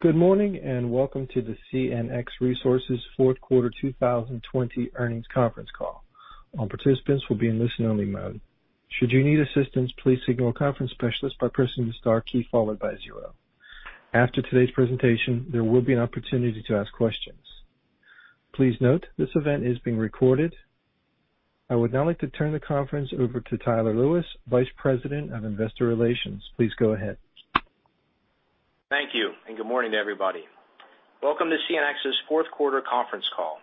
Good morning, and welcome to the CNX Resources fourth quarter 2020 earnings conference call. All participants will be in listen only mode. Should you need assistance, please signal a conference specialist by pressing the star key followed by zero. After today's presentation, there will be an opportunity to ask questions. Please note, this event is being recorded. I would now like to turn the conference over to Tyler Lewis, Vice President of Investor Relations. Please go ahead. Thank you. Good morning, everybody. Welcome to CNX's fourth quarter conference call.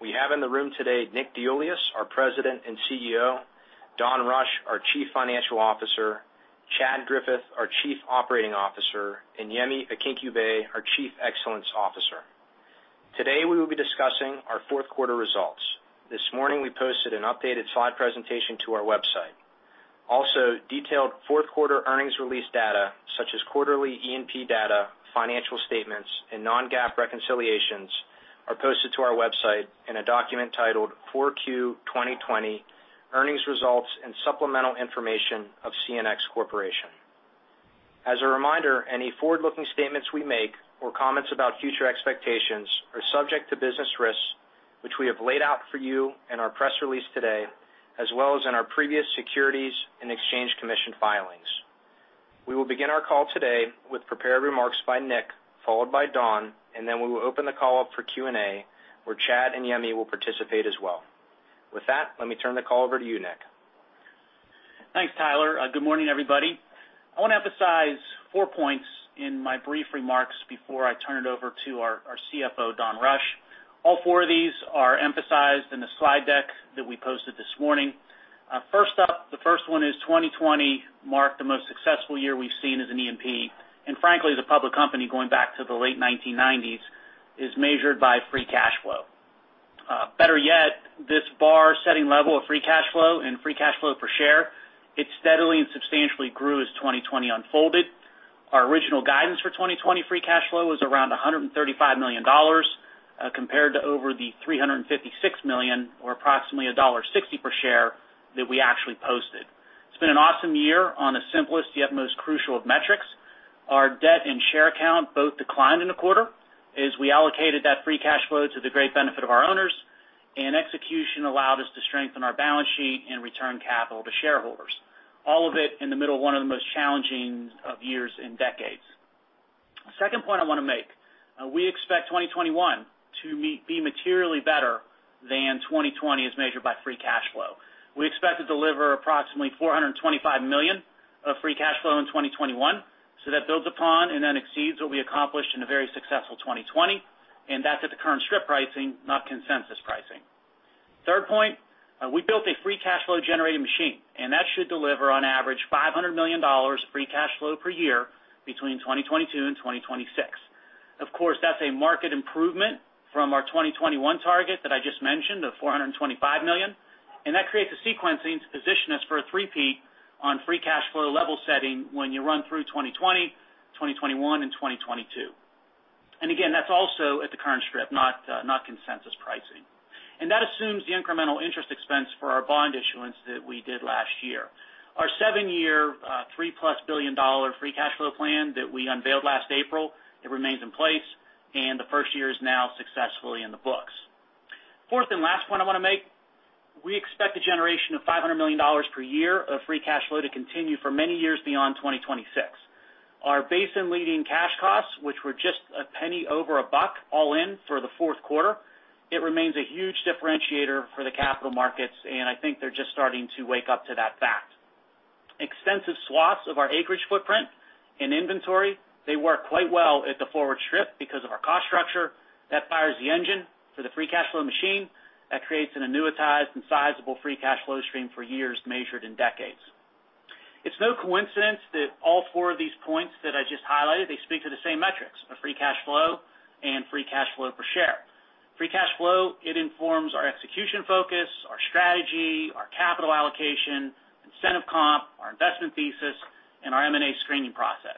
We have in the room today, Nick DeIuliis, our President and CEO, Don Rush, our Chief Financial Officer, Chad Griffith, our Chief Operating Officer, and Yemi Akinkugbe, our Chief Excellence Officer. Today, we will be discussing our fourth quarter results. This morning, we posted an updated slide presentation to our website. Also, detailed fourth quarter earnings release data, such as quarterly E&P data, financial statements, and non-GAAP reconciliations are posted to our website in a document titled 4Q 2020 Earnings Results and Supplemental Information of CNX Resources Corporation. As a reminder, any forward-looking statements we make or comments about future expectations are subject to business risks, which we have laid out for you in our press release today, as well as in our previous Securities and Exchange Commission filings. We will begin our call today with prepared remarks by Nick, followed by Don, and then we will open the call up for Q&A, where Chad and Yemi will participate as well. With that, let me turn the call over to you, Nick. Thanks, Tyler. Good morning, everybody. I want to emphasize four points in my brief remarks before I turn it over to our CFO, Don Rush. All four of these are emphasized in the slide deck that we posted this morning. The first one is 2020 marked the most successful year we've seen as an E&P, and frankly, as a public company going back to the late 1990s, as measured by free cash flow. This bar-setting level of free cash flow and free cash flow per share, it steadily and substantially grew as 2020 unfolded. Our original guidance for 2020 free cash flow was around $135 million, compared to over the $356 million, or approximately $1.60 per share that we actually posted. It's been an awesome year on the simplest, yet most crucial of metrics. Our debt and share count both declined in the quarter as we allocated that free cash flow to the great benefit of our owners, and execution allowed us to strengthen our balance sheet and return capital to shareholders. All of it in the middle of one of the most challenging of years in decades. Second point I want to make, we expect 2021 to be materially better than 2020 as measured by free cash flow. We expect to deliver approximately $425 million of free cash flow in 2021. That builds upon and then exceeds what we accomplished in a very successful 2020, and that's at the current strip pricing, not consensus pricing. Third point, we built a free cash flow generating machine, and that should deliver on average $500 million free cash flow per year between 2022 and 2026. Of course, that's a market improvement from our 2021 target that I just mentioned of $425 million. That creates a sequencing to position us for a three-peat on free cash flow level setting when you run through 2020, 2021, and 2022. Again, that's also at the current strip, not consensus pricing. That assumes the incremental interest expense for our bond issuance that we did last year. Our seven-year, $3+ billion free cash flow plan that we unveiled last April, it remains in place. The first year is now successfully in the books. Fourth and last point I want to make, we expect a generation of $500 million per year of free cash flow to continue for many years beyond 2026. Our basin leading cash costs, which were just $0.01 over a buck all in for the fourth quarter, it remains a huge differentiator for the capital markets. I think they're just starting to wake up to that fact. Extensive swaths of our acreage footprint and inventory, they work quite well at the forward strip because of our cost structure. That fires the engine for the free cash flow machine. That creates an annuitized and sizable free cash flow stream for years measured in decades. It's no coincidence that all four of these points that I just highlighted, they speak to the same metrics of free cash flow and free cash flow per share. Free cash flow, it informs our execution focus, our strategy, our capital allocation, incentive comp, our investment thesis, and our M&A screening process.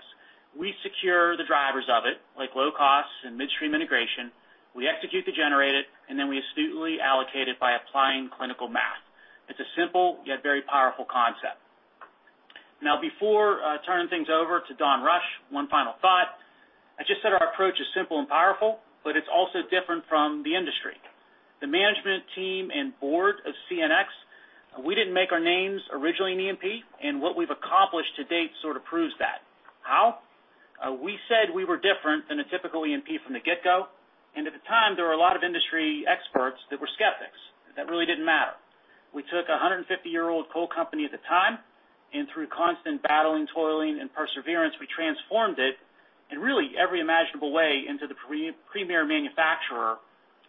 We secure the drivers of it, like low costs and midstream integration. We execute to generate it, and then we astutely allocate it by applying clinical math. It's a simple, yet very powerful concept. Before I turn things over to Don Rush, one final thought. I just said our approach is simple and powerful, but it's also different from the industry. The management team and board of CNX, we didn't make our names originally in E&P, and what we've accomplished to date sort of proves that. How? We said we were different than a typical E&P from the get-go, and at the time, there were a lot of industry experts that were skeptics. That really didn't matter. We took a 150-year-old coal company at the time, and through constant battling, toiling, and perseverance, we transformed it in really every imaginable way into the premier manufacturer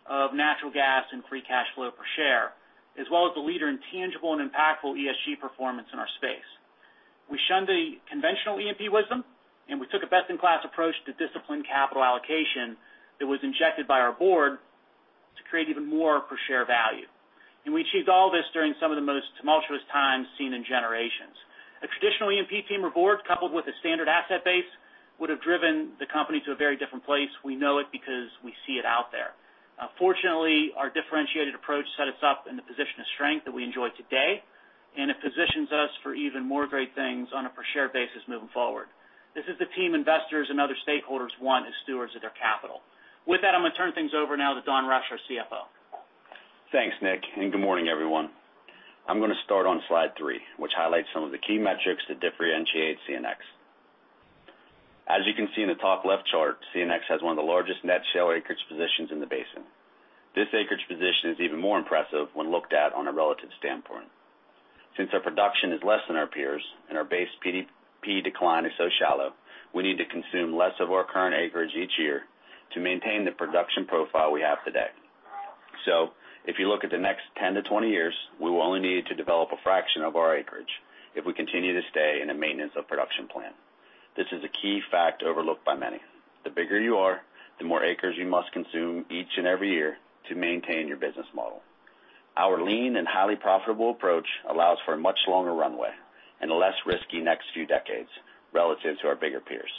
of natural gas and free cash flow per share, as well as the leader in tangible and impactful ESG performance in our space. We shunned the conventional E&P wisdom, and we took a best-in-class approach to disciplined capital allocation that was injected by our board to create even more per share value. We achieved all this during some of the most tumultuous times seen in generations. A traditional E&P team or board, coupled with a standard asset base, would have driven the company to a very different place. We know it because we see it out there. Fortunately, our differentiated approach set us up in the position of strength that we enjoy today. It positions us for even more great things on a per share basis moving forward. This is the team investors and other stakeholders want as stewards of their capital. With that, I'm going to turn things over now to Don Rush, our CFO. Thanks, Nick, good morning, everyone. I'm going to start on slide three, which highlights some of the key metrics that differentiate CNX. As you can see in the top left chart, CNX has one of the largest net shale acreage positions in the basin. This acreage position is even more impressive when looked at on a relative standpoint. Since our production is less than our peers and our base PDP decline is so shallow, we need to consume less of our current acreage each year to maintain the production profile we have today. If you look at the next 10 years-20 years, we will only need to develop a fraction of our acreage if we continue to stay in a maintenance of production plan. This is a key fact overlooked by many. The bigger you are, the more acres you must consume each and every year to maintain your business model. Our lean and highly profitable approach allows for a much longer runway and a less risky next few decades relative to our bigger peers,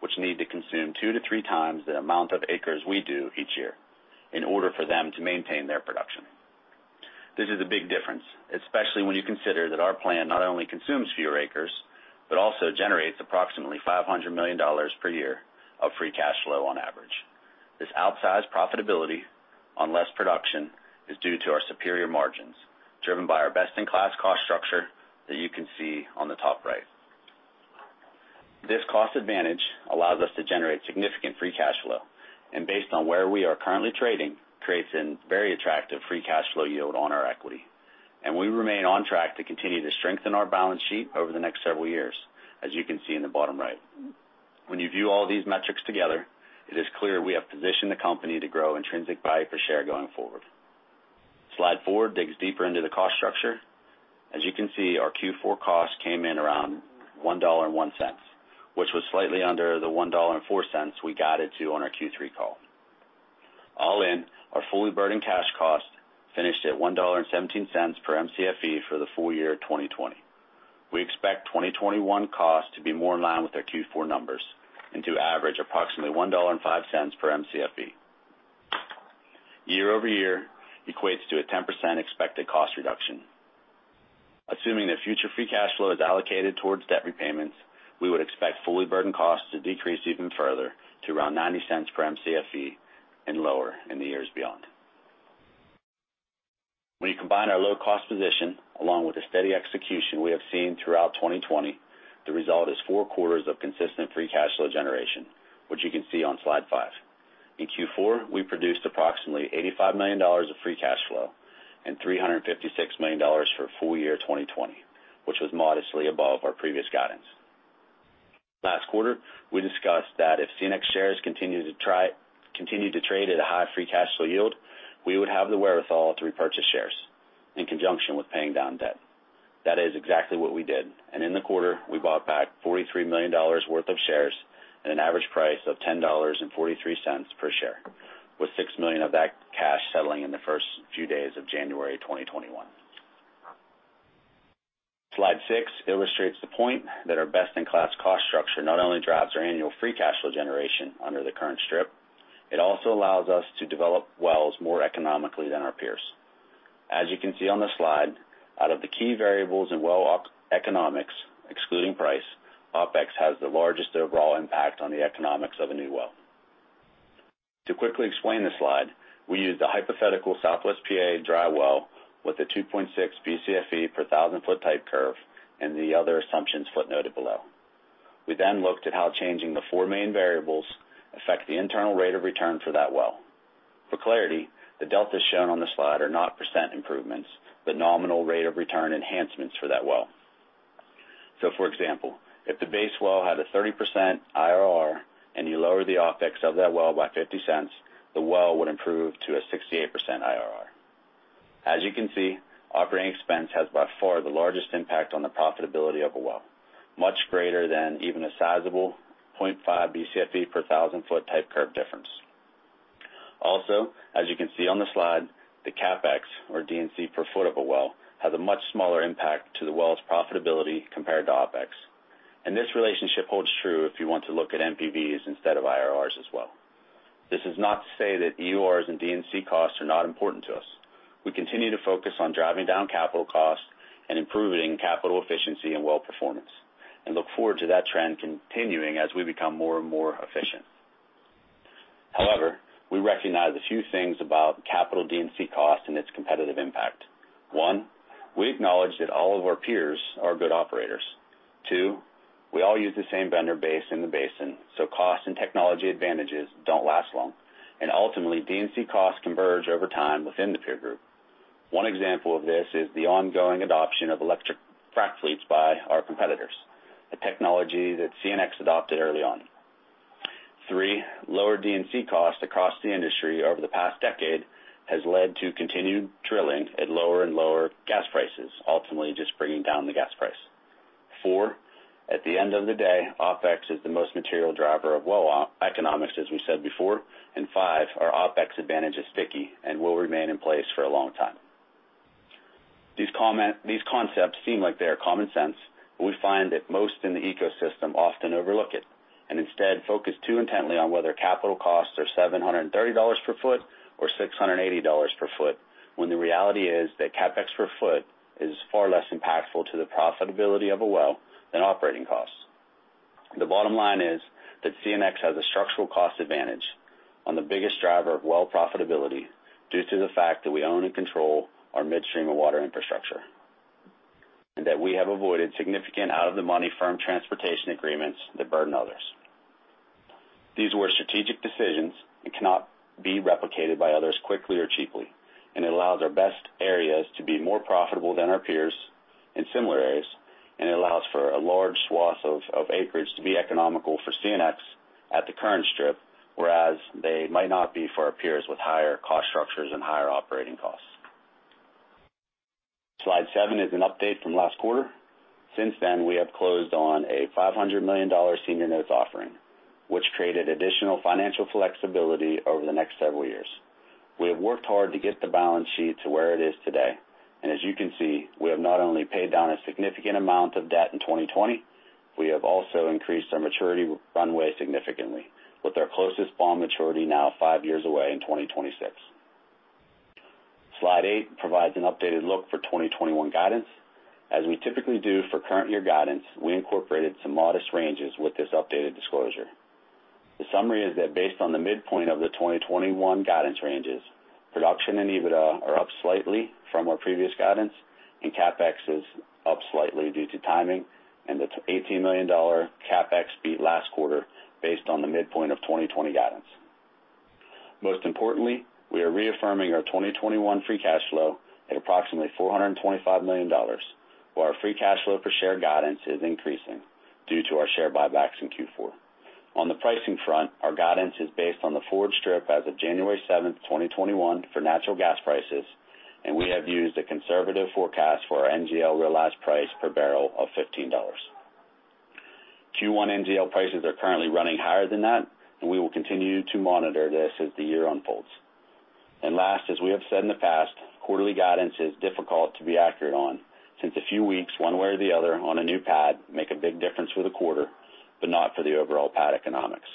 which need to consume two to three times the amount of acres we do each year in order for them to maintain their production. This is a big difference, especially when you consider that our plan not only consumes fewer acres, but also generates approximately $500 million per year of free cash flow on average. This outsized profitability on less production is due to our superior margins, driven by our best-in-class cost structure that you can see on the top right. This cost advantage allows us to generate significant free cash flow, and based on where we are currently trading, creates a very attractive free cash flow yield on our equity. We remain on track to continue to strengthen our balance sheet over the next several years, as you can see in the bottom right. When you view all these metrics together, it is clear we have positioned the company to grow intrinsic value per share going forward. Slide four digs deeper into the cost structure. As you can see, our Q4 costs came in around $1.01, which was slightly under the $1.04 we guided to on our Q3 call. All in, our fully burdened cash cost finished at $1.17 per Mcfe for the full year 2020. We expect 2021 costs to be more in line with our Q4 numbers and to average approximately $1.05 per Mcfe. Year-over-year equates to a 10% expected cost reduction. Assuming that future free cash flow is allocated towards debt repayments, we would expect fully burdened costs to decrease even further to around $0.90 per Mcfe and lower in the years beyond. When you combine our low-cost position, along with the steady execution we have seen throughout 2020, the result is four quarters of consistent free cash flow generation, which you can see on slide five. In Q4, we produced approximately $85 million of free cash flow and $356 million for full year 2020, which was modestly above our previous guidance. Last quarter, we discussed that if CNX shares continued to trade at a high free cash flow yield, we would have the wherewithal to repurchase shares in conjunction with paying down debt. That is exactly what we did, and in the quarter, we bought back $43 million worth of shares at an average price of $10.43 per share, with $6 million of that cash settling in the first few days of January 2021. Slide six illustrates the point that our best-in-class cost structure not only drives our annual free cash flow generation under the current strip, it also allows us to develop wells more economically than our peers. As you can see on the slide, out of the key variables in well economics, excluding price, OpEx has the largest overall impact on the economics of a new well. To quickly explain this slide, we used a hypothetical Southwest PA dry well with a 2.6 Bcfe per 1,000-foot type curve and the other assumptions footnoted below. We looked at how changing the four main variables affect the internal rate of return for that well. For clarity, the deltas shown on the slide are not percent improvements, but nominal rate of return enhancements for that well. For example, if the base well had a 30% IRR and you lower the OpEx of that well by $0.50, the well would improve to a 68% IRR. As you can see, operating expense has by far the largest impact on the profitability of a well, much greater than even a sizable 0.5 Bcfe per 1,000-foot type curve difference. Also, as you can see on the slide, the CapEx, or D&C per foot of a well, has a much smaller impact to the well's profitability compared to OpEx. This relationship holds true if you want to look at NPVs instead of IRRs as well. This is not to say that EURs and D&C costs are not important to us. We continue to focus on driving down capital costs and improving capital efficiency and well performance, look forward to that trend continuing as we become more and more efficient. However, we recognize a few things about capital D&C cost and its competitive impact. One, we acknowledge that all of our peers are good operators. Two, we all use the same vendor base in the basin, cost and technology advantages don't last long. Ultimately, D&C costs converge over time within the peer group. One example of this is the ongoing adoption of electric frac fleets by our competitors, a technology that CNX adopted early on. Three, lower D&C costs across the industry over the past decade has led to continued drilling at lower and lower gas prices, ultimately just bringing down the gas price. Four, at the end of the day, OpEx is the most material driver of well economics, as we said before. Five, our OpEx advantage is sticky and will remain in place for a long time. These concepts seem like they are common sense, but we find that most in the ecosystem often overlook it. Instead focus too intently on whether capital costs are $730 per foot or $680 per foot, when the reality is that CapEx per foot is far less impactful to the profitability of a well than operating costs. The bottom line is that CNX has a structural cost advantage on the biggest driver of well profitability due to the fact that we own and control our midstream and water infrastructure, and that we have avoided significant out-of-the-money firm transportation agreements that burden others. These were strategic decisions and cannot be replicated by others quickly or cheaply, and it allows our best areas to be more profitable than our peers in similar areas, and it allows for a large swathe of acreage to be economical for CNX at the current strip, whereas they might not be for our peers with higher cost structures and higher operating costs. Slide seven is an update from last quarter. Since then, we have closed on a $500 million senior notes offering, which created additional financial flexibility over the next several years. We have worked hard to get the balance sheet to where it is today. As you can see, we have not only paid down a significant amount of debt in 2020, we have also increased our maturity runway significantly, with our closest bond maturity now five years away in 2026. Slide eight provides an updated look for 2021 guidance. As we typically do for current year guidance, we incorporated some modest ranges with this updated disclosure. The summary is that based on the midpoint of the 2021 guidance ranges, production and EBITDA are up slightly from our previous guidance, and CapEx is up slightly due to timing, and it's $18 million CapEx beat last quarter based on the midpoint of 2020 guidance. Most importantly, we are reaffirming our 2021 free cash flow at approximately $425 million, where our free cash flow per share guidance is increasing due to our share buybacks in Q4. On the pricing front, our guidance is based on the forward strip as of January 7th, 2021, for natural gas prices, and we have used a conservative forecast for our NGL realized price per barrel of $15. Q1 NGL prices are currently running higher than that, and we will continue to monitor this as the year unfolds. Last, as we have said in the past, quarterly guidance is difficult to be accurate on, since a few weeks one way or the other on a new pad make a big difference for the quarter, but not for the overall pad economics.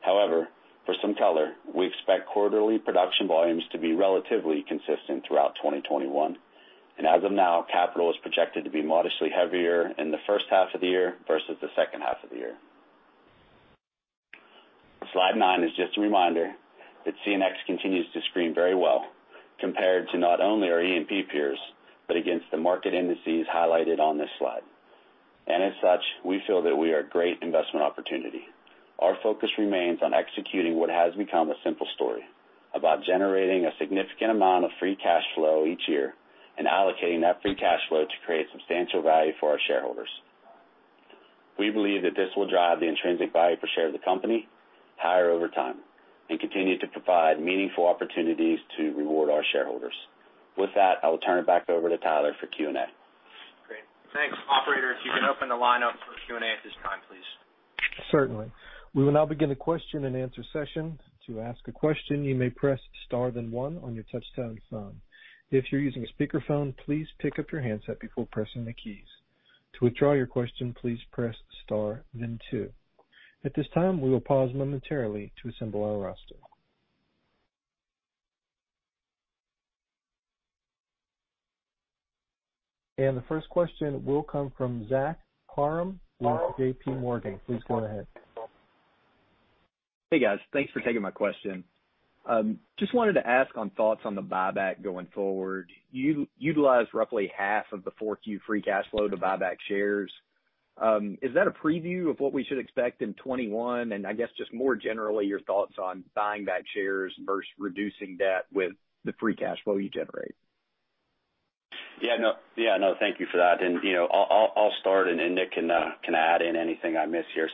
However, for some color, we expect quarterly production volumes to be relatively consistent throughout 2021, and as of now, capital is projected to be modestly heavier in the first half of the year versus the second half of the year. Slide nine is just a reminder that CNX continues to screen very well compared to not only our E&P peers, but against the market indices highlighted on this slide. As such, we feel that we are a great investment opportunity. Our focus remains on executing what has become a simple story about generating a significant amount of free cash flow each year and allocating that free cash flow to create substantial value for our shareholders. We believe that this will drive the intrinsic value per share of the company higher over time and continue to provide meaningful opportunities to reward our shareholders. With that, I will turn it back over to Tyler for Q&A. Great. Thanks. Operator, if you can open the line up for Q&A at this time, please. Certainly. We will now begin the question and answer session. To ask a question, you may press star then one on your touch-tone phone. If you're using a speakerphone, please pick up your handset before pressing the keys. To withdraw your question, please press star then two. At this time, we will pause momentarily to assemble our roster. The first question will come from Zach Parham with JPMorgan. Please go ahead. Hey, guys. Thanks for taking my question. Just wanted to ask on thoughts on the buyback going forward. You utilized roughly half of the 4Q free cash flow to buy back shares. Is that a preview of what we should expect in 2021? I guess just more generally, your thoughts on buying back shares versus reducing debt with the free cash flow you generate. Yeah, no. Thank you for that. I'll start, Nick can add in anything I miss here.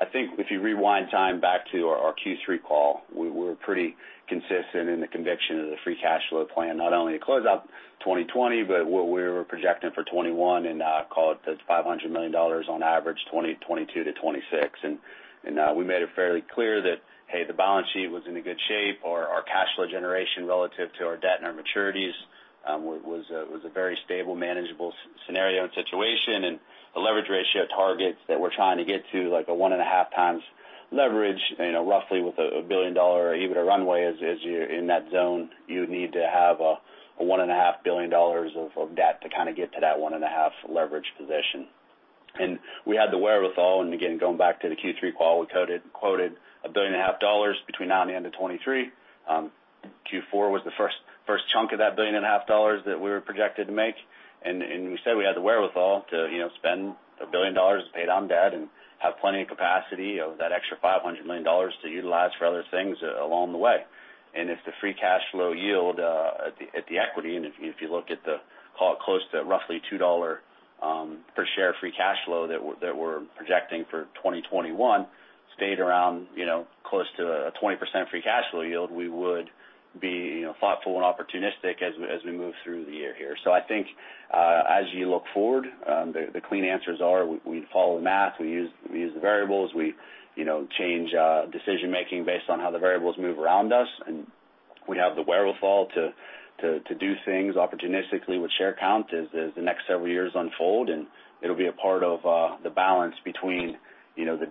I think if you rewind time back to our Q3 call, we were pretty consistent in the conviction of the free cash flow plan, not only to close out 2020, but what we were projecting for 2021, and I call it the $500 million on average 2022-2026. We made it fairly clear that, hey, the balance sheet was in a good shape, or our cash flow generation relative to our debt and our maturities, was a very stable, manageable scenario and situation. The leverage ratio targets that we're trying to get to, like a 1.5 times leverage, roughly with $1 billion EBITDA runway, as you're in that zone, you would need to have $1.5 billion of debt to get to that 1.5 leverage position. We had the wherewithal, and again, going back to the Q3 call, we quoted $1.5 billion between now and the end of 2023. Q4 was the first chunk of that $1.5 billion that we were projected to make. We said we had the wherewithal to spend $1 billion to pay down debt and have plenty of capacity of that extra $500 million to utilize for other things along the way. If the free cash flow yield at the equity, and if you look at the call close to roughly $2 per share free cash flow that we're projecting for 2021, stayed around close to a 20% free cash flow yield, we would be thoughtful and opportunistic as we move through the year here. I think, as you look forward, the clean answers are we follow the math, we use the variables, we change decision-making based on how the variables move around us, and we have the wherewithal to do things opportunistically with share count as the next several years unfold, and it'll be a part of the balance between the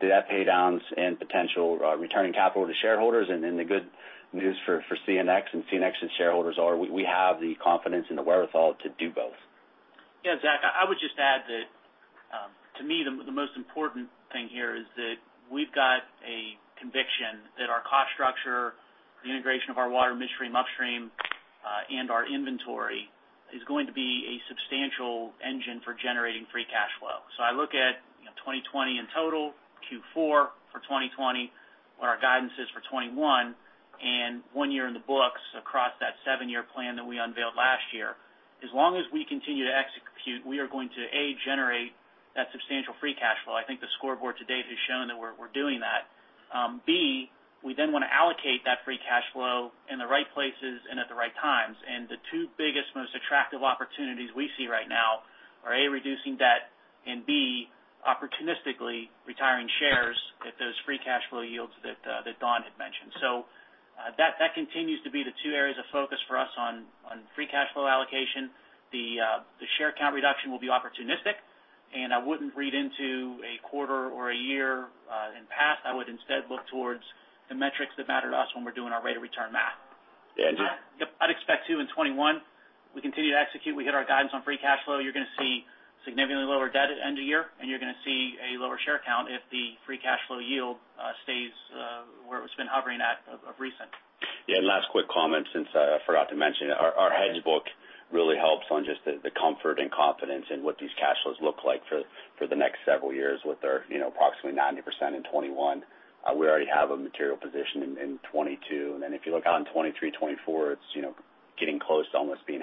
debt paydowns and potential returning capital to shareholders. The good news for CNX and CNX's shareholders are we have the confidence and the wherewithal to do both. Yeah, Zach, I would just add that, to me, the most important thing here is that we've got a conviction that our cost structure, the integration of our water midstream, upstream, and our inventory is going to be a substantial engine for generating free cash flow. I look at 2020 in total, Q4 for 2020, what our guidance is for 2021, and one year in the books across that seven-year plan that we unveiled last year. As long as we continue to execute, we are going to, A, generate that substantial free cash flow. I think the scoreboard to date has shown that we're doing that. B, we then want to allocate that free cash flow in the right places and at the right times. The two biggest, most attractive opportunities we see right now are, A, reducing debt, and B, opportunistically retiring shares at those free cash flow yields that Don had mentioned. That continues to be the two areas of focus for us on free cash flow allocation. The share count reduction will be opportunistic, and I wouldn't read into a quarter or a year in past. I would instead look towards the metrics that matter to us when we're doing our rate of return math. And- Yep. I'd expect too, in 2021, we continue to execute, we hit our guidance on free cash flow. You're going to see significantly lower debt at end of year, and you're going to see a lower share count if the free cash flow yield stays where it's been hovering at of recent. Yeah. Last quick comment, since I forgot to mention it. Our hedge book really helps on just the comfort and confidence in what these cash flows look like for the next several years with their approximately 90% in 2021. We already have a material position in 2022. If you look out in 2023, 2024, it's getting close to almost being 50%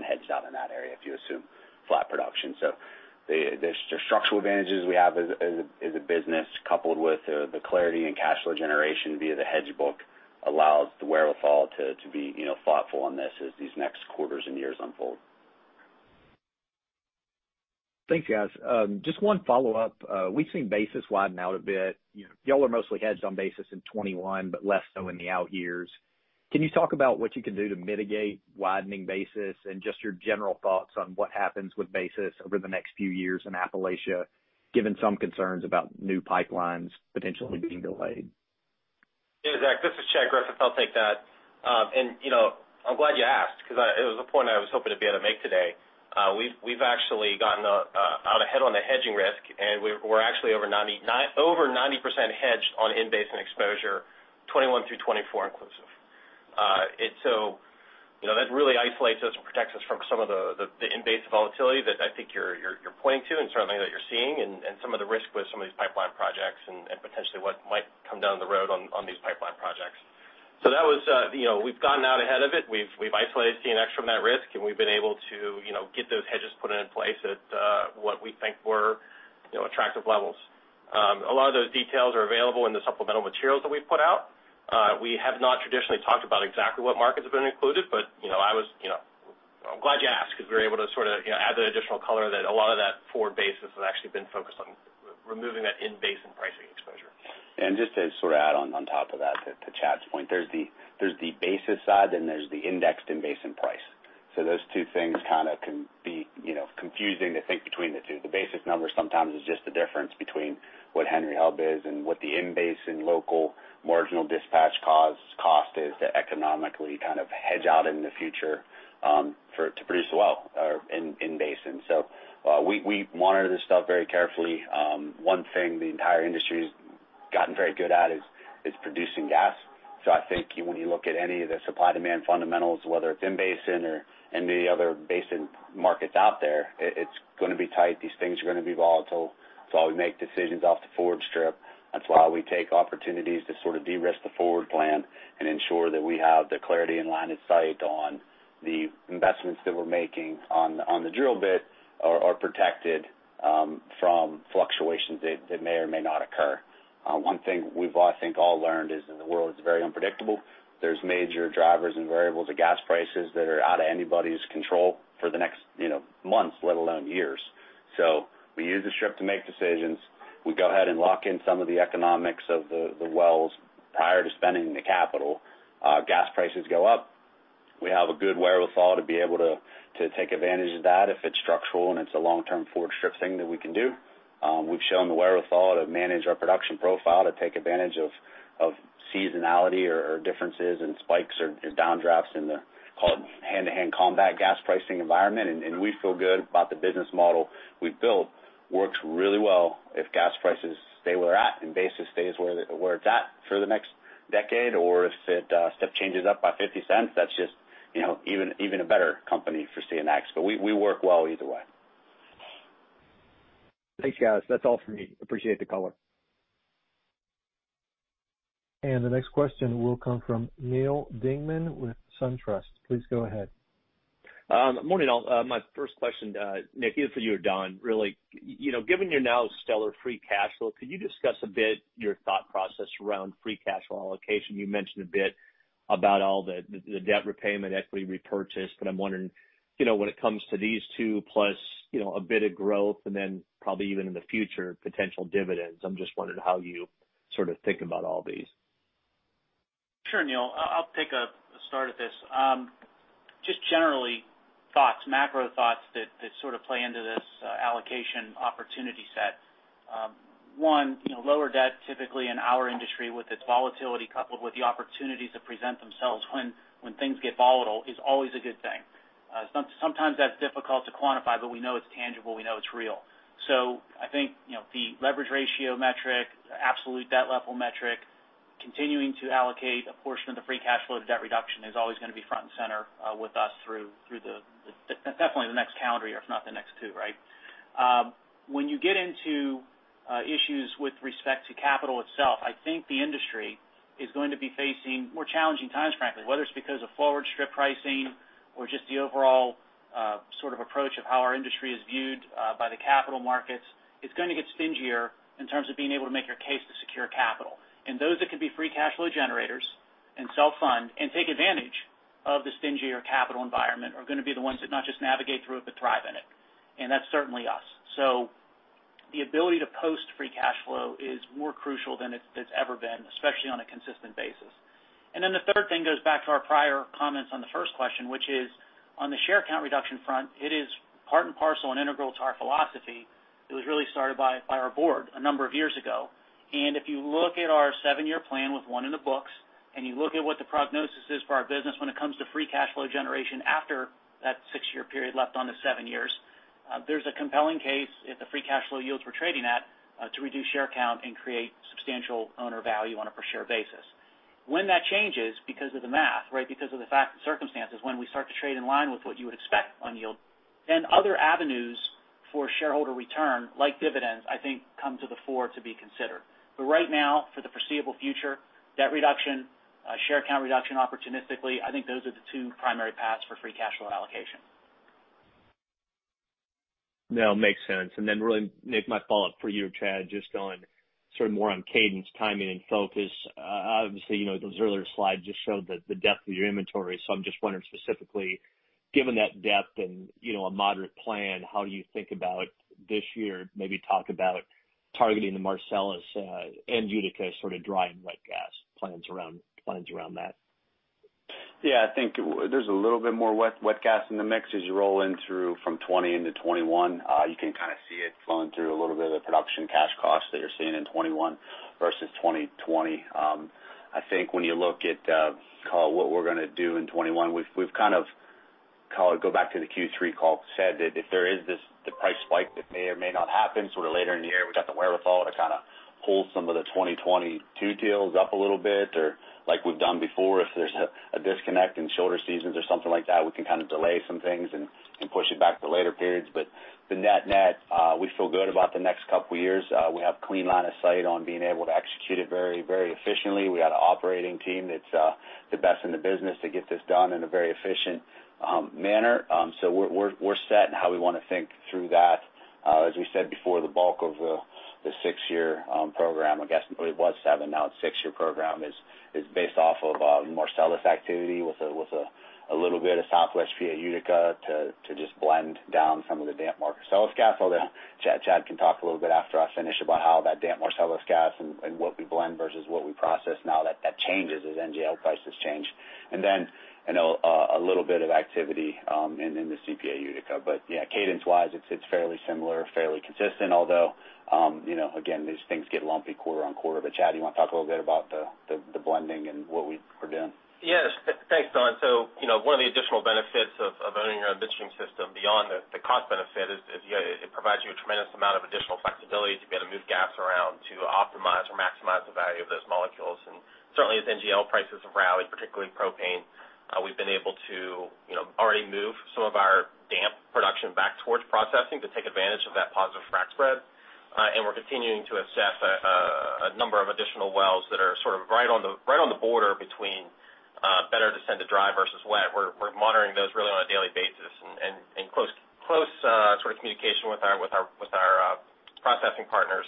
hedged out in that area, if you assume flat production. The structural advantages we have as a business, coupled with the clarity and cash flow generation via the hedge book, allows the wherewithal to be thoughtful on this as these next quarters and years unfold. Thanks, guys. Just one follow-up. We've seen basis widen out a bit. You all are mostly hedged on basis in 2021, but less so in the out years. Can you talk about what you can do to mitigate widening basis and just your general thoughts on what happens with basis over the next few years in Appalachia, given some concerns about new pipelines potentially being delayed? Yeah, Zach, this is Chad Griffith. I'll take that. I'm glad you asked because it was a point I was hoping to be able to make today. We've actually gotten out ahead on the hedging risk, and we're actually over 90% hedged on in-basin exposure 2021 through 2024 inclusive. That really isolates us and protects us from some of the in-basin volatility that I think you're pointing to and certainly that you're seeing, and some of the risk with some of these pipeline projects and potentially what might come down the road on these pipeline projects. We've gotten out ahead of it. We've isolated CNX from that risk, and we've been able to get those hedges put in place at what we think were attractive levels. A lot of those details are available in the supplemental materials that we've put out. We have not traditionally talked about exactly what markets have been included, but I'm glad you asked because we were able to add that additional color that a lot of that forward basis has actually been focused on removing that in-basin pricing exposure. Just to add on top of that, to Chad's point, there's the basis side, then there's the indexed in-basin price. Those two things can be confusing to think between the two. The basis number sometimes is just the difference between what Henry Hub is and what the in-basin local marginal dispatch cost is to economically hedge out into the future to produce a well in basin. We monitor this stuff very carefully. One thing the entire industry's gotten very good at is producing gas. I think when you look at any of the supply-demand fundamentals, whether it's in basin or any of the other basin markets out there, it's going to be tight. These things are going to be volatile. That's why we make decisions off the forward strip. That's why we take opportunities to de-risk the forward plan and ensure that we have the clarity and line of sight on the investments that we're making on the drill bit are protected from fluctuations that may or may not occur. One thing we've, I think, all learned is that the world is very unpredictable. There's major drivers and variables of gas prices that are out of anybody's control for the next months, let alone years. We use the strip to make decisions. We go ahead and lock in some of the economics of the wells prior to spending the capital. Gas prices go up, we have a good wherewithal to be able to take advantage of that if it's structural and it's a long-term forward strip thing that we can do. We've shown the wherewithal to manage our production profile to take advantage of seasonality or differences in spikes or downdrafts in the hand-to-hand combat gas pricing environment. We feel good about the business model we've built. Works really well if gas prices stay where they're at and basis stays where it's at for the next decade, or if it step changes up by $0.50, that's just even a better company for CNX. We work well either way. Thanks, guys. That's all for me. Appreciate the color. The next question will come from Neal Dingmann with SunTrust. Please go ahead. Morning, all. My first question, Nick, is for you or Don, really. Given your now stellar free cash flow, could you discuss a bit your thought process around free cash flow allocation? You mentioned a bit about all the debt repayment, equity repurchase. I'm wondering when it comes to these 2+ a bit of growth and then probably even in the future, potential dividends. I'm just wondering how you think about all these. Sure, Neal, I'll take a start at this. Just generally, macro thoughts that sort of play into this allocation opportunity set. One, lower debt typically in our industry with its volatility coupled with the opportunities that present themselves when things get volatile, is always a good thing. Sometimes that's difficult to quantify, but we know it's tangible, we know it's real. I think, the leverage ratio metric, absolute debt level metric, continuing to allocate a portion of the free cash flow to debt reduction is always going to be front and center with us through definitely the next calendar year, if not the next two, right? When you get into issues with respect to capital itself, I think the industry is going to be facing more challenging times, frankly. Whether it's because of forward strip pricing or just the overall sort of approach of how our industry is viewed by the capital markets, it's going to get stingier in terms of being able to make your case to secure capital. Those that can be free cash flow generators and self-fund and take advantage of the stingier capital environment are going to be the ones that not just navigate through it, but thrive in it. That's certainly us. The ability to post free cash flow is more crucial than it's ever been, especially on a consistent basis. The third thing goes back to our prior comments on the first question, which is on the share count reduction front, it is part and parcel and integral to our philosophy. It was really started by our board a number of years ago. If you look at our seven-year plan with one in the books, and you look at what the prognosis is for our business when it comes to free cash flow generation after that six-year period left on the seven years, there's a compelling case if the free cash flow yields we're trading at to reduce share count and create substantial owner value on a per-share basis. When that changes because of the math, right, because of the fact and circumstances, when we start to trade in line with what you would expect on yield, then other avenues for shareholder return, like dividends, I think come to the fore to be considered. Right now, for the foreseeable future, debt reduction, share count reduction opportunistically, I think those are the two primary paths for free cash flow allocation. No, makes sense. Really, maybe my follow-up for you, Chad, just on sort of more on cadence, timing, and focus. Obviously, those earlier slides just showed the depth of your inventory. I'm just wondering specifically, given that depth and a moderate plan, how do you think about this year? Maybe talk about targeting the Marcellus and Utica sort of dry and wet gas plans around that. Yeah, I think there's a little bit more wet gas in the mix as you roll in through from 2020 into 2021. You can kind of see it flowing through a little bit of the production cash costs that you're seeing in 2021 versus 2020. I think when you look at what we're going to do in 2021, we've kind of go back to the Q3 call, said that if there is the price spike that may or may not happen sort of later in the year, we've got the wherewithal to kind of hold some of the 2022 deals up a little bit or like we've done before, if there's a disconnect in shoulder seasons or something like that, we can delay some things and push it back to later periods. The net-net, we feel good about the next couple years. We have clean line of sight on being able to execute it very efficiently. We got an operating team that's the best in the business to get this done in a very efficient manner. We're set in how we want to think through that. As we said before, the bulk of the six-year program, I guess it was seven, now it's six-year program, is based off of Marcellus activity with a little bit of Southwest PA Utica to just blend down some of the damp Marcellus gas. Although Chad can talk a little bit after I finish about how that damp Marcellus gas and what we blend versus what we process now that changes as NGL prices change. A little bit of activity in the CPA Utica. Cadence-wise, it's fairly similar, fairly consistent, although again, these things get lumpy quarter-on-quarter. Chad, you want to talk a little bit about the blending and what we are doing? Yes. Thanks, Don. One of the additional benefits of owning our midstream system beyond the cost benefit is it provides you a tremendous amount of additional flexibility to be able to move gas around to optimize or maximize the value of those molecules. Certainly as NGL prices have rallied, particularly propane, we've been able to already move some of our wet production back towards processing to take advantage of that positive frac spread. We're continuing to assess a number of additional wells that are sort of right on the border between better to send to dry versus wet. We're monitoring those really on a daily basis. In close sort of communication with our processing partners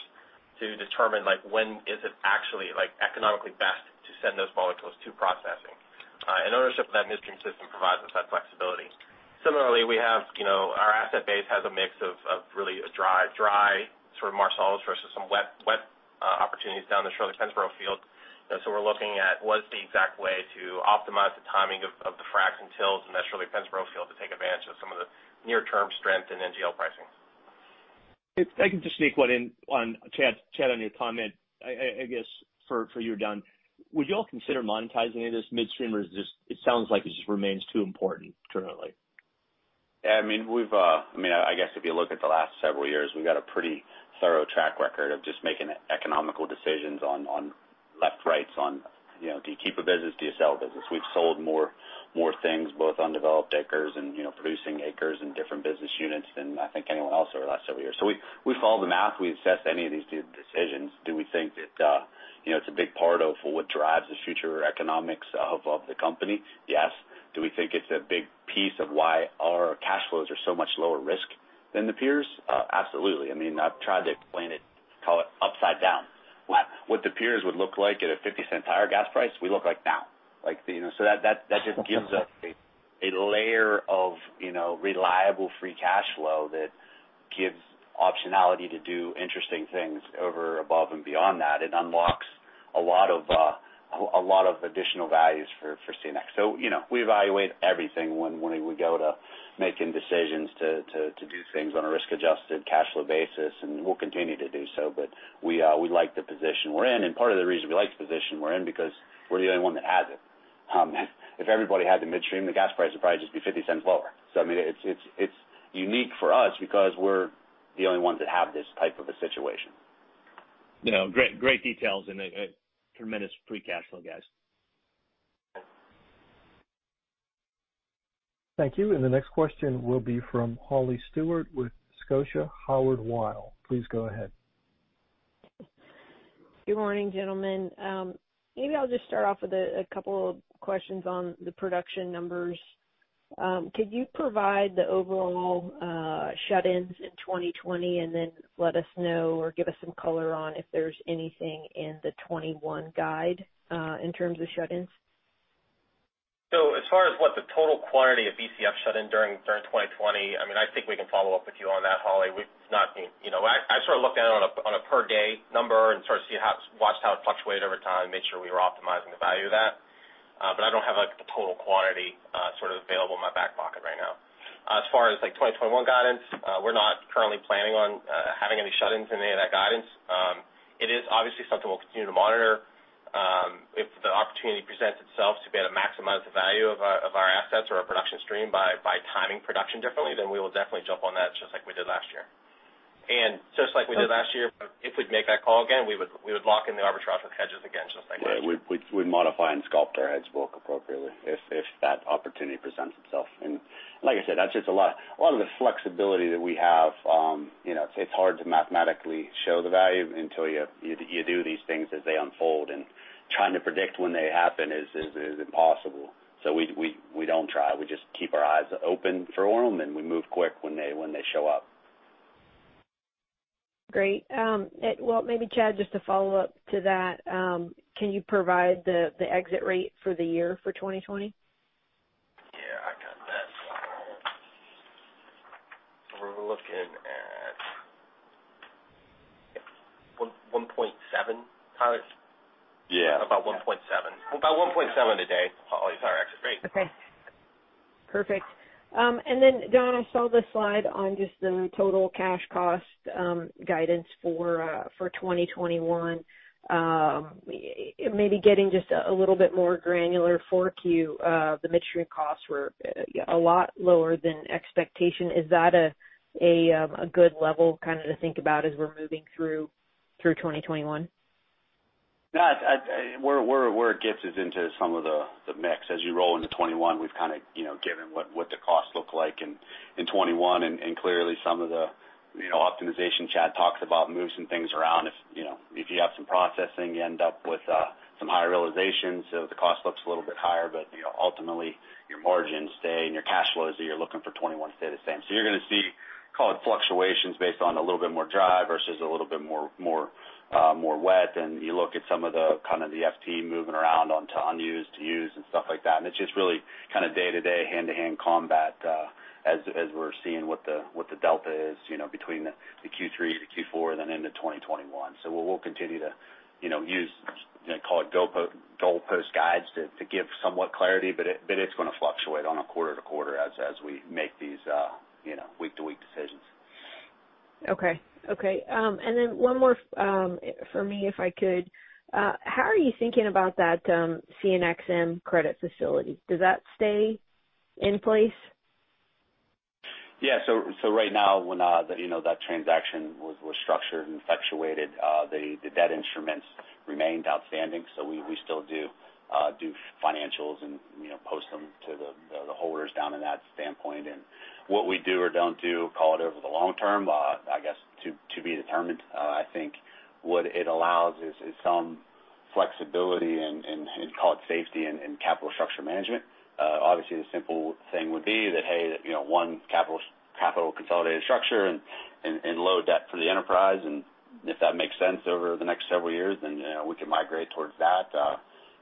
to determine when is it actually economically best to send those molecules to processing. Ownership of that midstream system provides us that flexibility. Similarly, our asset base has a mix of really a dry sort of Marcellus versus some wet opportunities down the Shirley-Pennsboro field. We're looking at what's the exact way to optimize the timing of the fracs and TILs in that Shirley-Pennsboro field to take advantage of some of the near-term strength in NGL pricing. If I can just sneak one in on Chad, on your comment. I guess for you, Don, would you all consider monetizing any of this midstream, or it sounds like it just remains too important currently? I guess if you look at the last several years, we've got a pretty thorough track record of just making economical decisions on left rights on do you keep a business, do you sell a business? We've sold more things, both undeveloped acres and producing acres in different business units than I think anyone else over the last several years. We follow the math, we assess any of these decisions. Do we think that it's a big part of what drives the future economics of the company? Yes. Do we think it's a big piece of why our cash flows are so much lower risk than the peers? Absolutely. I've tried to explain it, call it upside down. What the peers would look like at a $0.50 higher gas price, we look like now. That just gives us a layer of reliable free cash flow that gives optionality to do interesting things over, above, and beyond that. It unlocks a lot of additional values for CNX. We evaluate everything when we go to making decisions to do things on a risk-adjusted cash flow basis, and we'll continue to do so. We like the position we're in. Part of the reason we like the position we're in is because we're the only one that has it. If everybody had the midstream, the gas price would probably just be $0.50 lower. It's unique for us because we're the only ones that have this type of a situation. Great details and a tremendous free cash flow, guys. Thank you. The next question will be from Holly Stewart with Scotia Howard Weil. Please go ahead. Good morning, gentlemen. Maybe I'll just start off with a couple of questions on the production numbers. Could you provide the overall shut-ins in 2020 and then let us know or give us some color on if there's anything in the 2021 guide, in terms of shut-ins? As far as what the total quantity of Bcf shut in during 2020, I think we can follow up with you on that, Holly. I sort of looked at it on a per day number and watched how it fluctuated over time, made sure we were optimizing the value of that. I don't have the total quantity sort of available in my back pocket right now. Far as 2021 guidance, we're not currently planning on having any shut-ins in any of that guidance. It is obviously something we'll continue to monitor. If the opportunity presents itself to be able to maximize the value of our assets or our production stream by timing production differently, then we will definitely jump on that just like we did last year. Just like we did last year, if we'd make that call again, we would lock in the arbitrage with hedges again, just like last year. Yeah. We'd modify and sculpt our hedge book appropriately if that opportunity presents itself. Like I said, that's just a lot of the flexibility that we have. It's hard to mathematically show the value until you do these things as they unfold, and trying to predict when they happen is impossible. We don't try. We just keep our eyes open for them, and we move quick when they show up. Great. Well, maybe Chad, just to follow up to that, can you provide the exit rate for the year for 2020? Yeah, I got that. We're looking at 1.7 Bcf. Tyler? Yeah. About 1.7 Bcf a day, Holly, is our exit rate. Okay, perfect. Don, I saw the slide on just the total cash cost guidance for 2021. Maybe getting just a little bit more granular 4Q, the midstream costs were a lot lower than expectation. Is that a good level to think about as we're moving through 2021? No, where it gets is into some of the mix. As you roll into 2021, we've kind of given what the costs look like in 2021. Clearly, some of the optimization Chad talks about moves some things around. If you have some processing, you end up with some higher realizations. The cost looks a little bit higher, but ultimately your margins stay, and your cash flows that you're looking for 2021 stay the same. You're going to see, call it fluctuations based on a little bit more dry versus a little bit more wet. You look at some of the FT moving around onto unused to used and stuff like that. It's just really day-to-day, hand-to-hand combat, as we're seeing what the delta is between the Q3-Q4, then into 2021. We'll continue to use, call it goal post guides to give somewhat clarity, but it's going to fluctuate on a quarter to quarter as we make these week-to-week decisions. Okay. One more from me, if I could. How are you thinking about that CNXM credit facility? Does that stay in place? Yeah. Right now, that transaction was structured and effectuated. The debt instruments remained outstanding. We still do financials and post them to the holders down in that standpoint. What we do or don't do, call it over the long term, I guess to be determined. I think what it allows is some flexibility and call it safety and capital structure management. Obviously, the simple thing would be that, hey, one capital consolidated structure and low debt for the enterprise. If that makes sense over the next several years, then we can migrate towards that.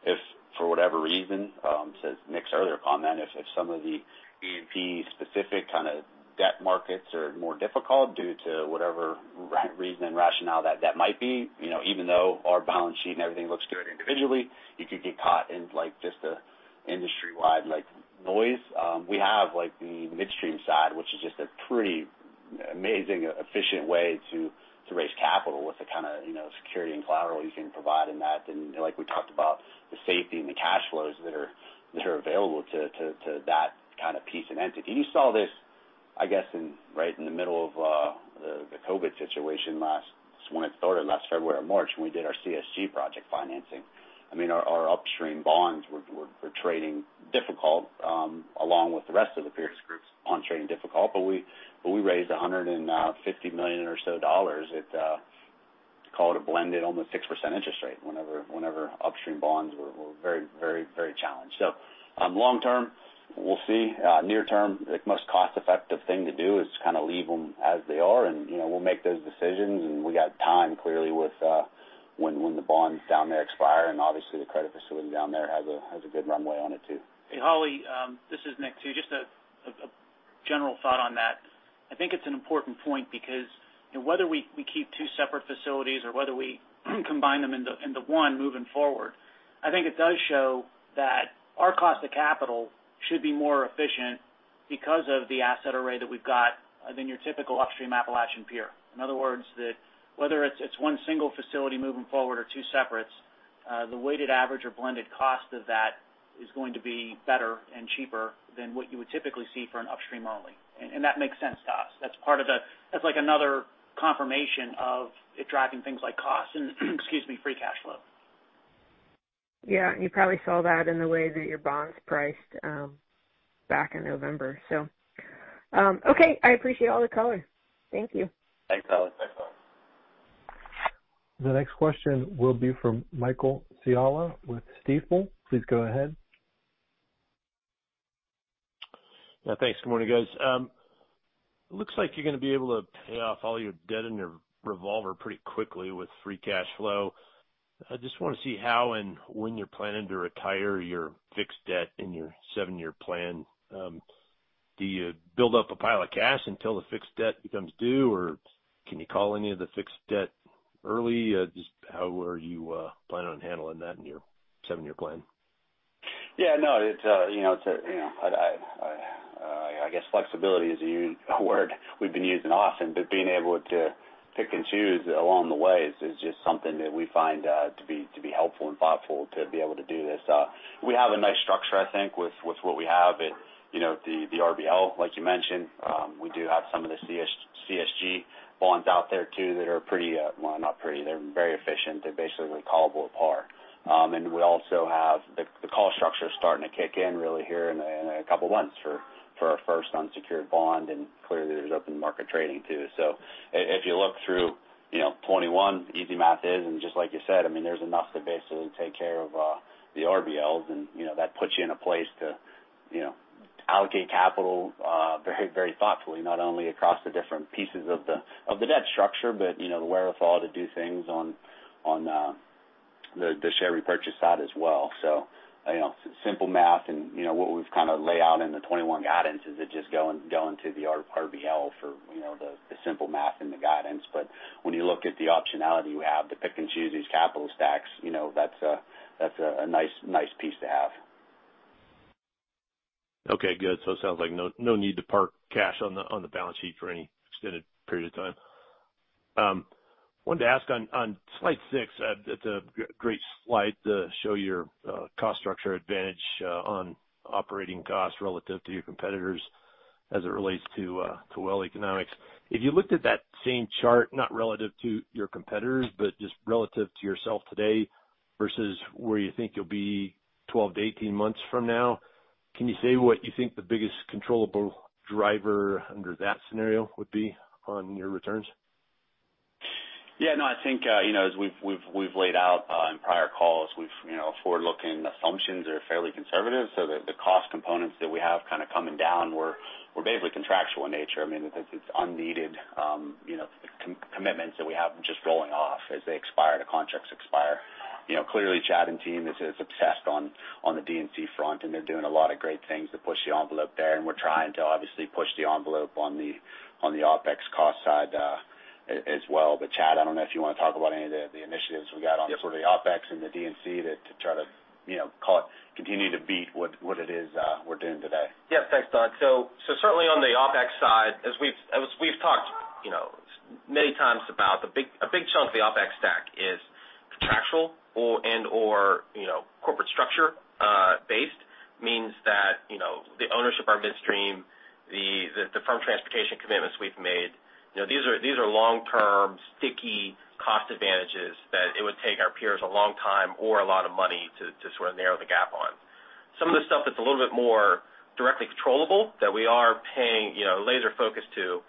If for whatever reason, to Nick's earlier comment, if some of the E&P specific kind of debt markets are more difficult due to whatever reason and rationale that might be, even though our balance sheet and everything looks good individually, you could get caught in just the industry-wide noise. We have the midstream side, which is just a pretty amazing, efficient way to raise capital with the kind of security and collateral you can provide in that. Like we talked about, the safety and the cash flows that are available to that kind of piece and entity. You saw this, I guess, right in the middle of the COVID situation when it started last February or March, when we did our CSG project financing. Our upstream bonds were trading difficult, along with the rest of the peers groups bonds trading difficult. We raised $150 million or so at, call it a blended almost 6% interest rate whenever upstream bonds were very challenged. Long term, we'll see. Near term, the most cost-effective thing to do is to kind of leave them as they are, and we'll make those decisions. We got time, clearly, with when the bonds down there expire, and obviously the credit facility down there has a good runway on it, too. Hey, Holly, this is Nick, too. Just a general thought on that. I think it's an important point because whether we keep two separate facilities or whether we combine them into one moving forward, I think it does show that our cost of capital should be more efficient because of the asset array that we've got than your typical upstream Appalachian peer. In other words, whether it's one single facility moving forward or two separates, the weighted average or blended cost of that is going to be better and cheaper than what you would typically see for an upstream only. That makes sense to us. That's like another confirmation of it driving things like cost and excuse me, free cash flow. Yeah, you probably saw that in the way that your bonds priced back in November. Okay. I appreciate all the color. Thank you. Thanks, Holly. The next question will be from Michael Scialla with Stifel. Please go ahead. Yeah, thanks. Good morning, guys. Looks like you're going to be able to pay off all your debt in your revolver pretty quickly with free cash flow. I just want to see how and when you're planning to retire your fixed debt in your seven-year plan. Do you build up a pile of cash until the fixed debt becomes due, or can you call any of the fixed debt early? Just how are you planning on handling that in your seven-year plan? No, I guess flexibility is a word we've been using often, but being able to pick and choose along the way is just something that we find to be helpful and thoughtful to be able to do this. We have a nice structure, I think, with what we have at the RBL, like you mentioned. We do have some of the CSG bonds out there too that are pretty Well, not pretty. They're very efficient. They're basically callable at par. We also have the call structure starting to kick in really here in a couple of months for our first unsecured bond, and clearly there's open market trading, too. If you look through 2021, easy math is, and just like you said, there's enough to basically take care of the RBLs, and that puts you in a place to allocate capital very thoughtfully, not only across the different pieces of the debt structure, but the wherewithal to do things on the share repurchase side as well. Simple math, and what we've kind of laid out in the 2021 guidance is just going to the RBL for the simple math and the guidance. When you look at the optionality you have to pick and choose these capital stacks, that's a nice piece to have. Okay, good. It sounds like no need to park cash on the balance sheet for any extended period of time. I wanted to ask on slide six, that's a great slide to show your cost structure advantage on operating costs relative to your competitors as it relates to well economics. If you looked at that same chart, not relative to your competitors, but just relative to yourself today versus where you think you'll be 12 months-18 months from now, can you say what you think the biggest controllable driver under that scenario would be on your returns? Yeah, no, I think, as we've laid out on prior calls, forward-looking assumptions are fairly conservative. The cost components that we have kind of coming down were basically contractual in nature. I mean, it's unneeded commitments that we have just rolling off as they expire, the contracts expire. Clearly, Chad and team is obsessed on the D&C front, and they're doing a lot of great things to push the envelope there, and we're trying to obviously push the envelope on the OpEx cost side as well. Chad, I don't know if you want to talk about any of the initiatives we got on sort of the OpEx and the D&C to try to continue to beat what it is we're doing today. Yes. Thanks, Don. Certainly on the OpEx side, as we've talked many times about, a big chunk of the OpEx stack is contractual and/or corporate structure-based. Means that the ownership of our midstream, the firm transportation commitments we've made, these are long-term, sticky cost advantages that it would take our peers a long time or a lot of money to sort of narrow the gap on. Some of the stuff that's a little bit more directly controllable that we are paying laser focus to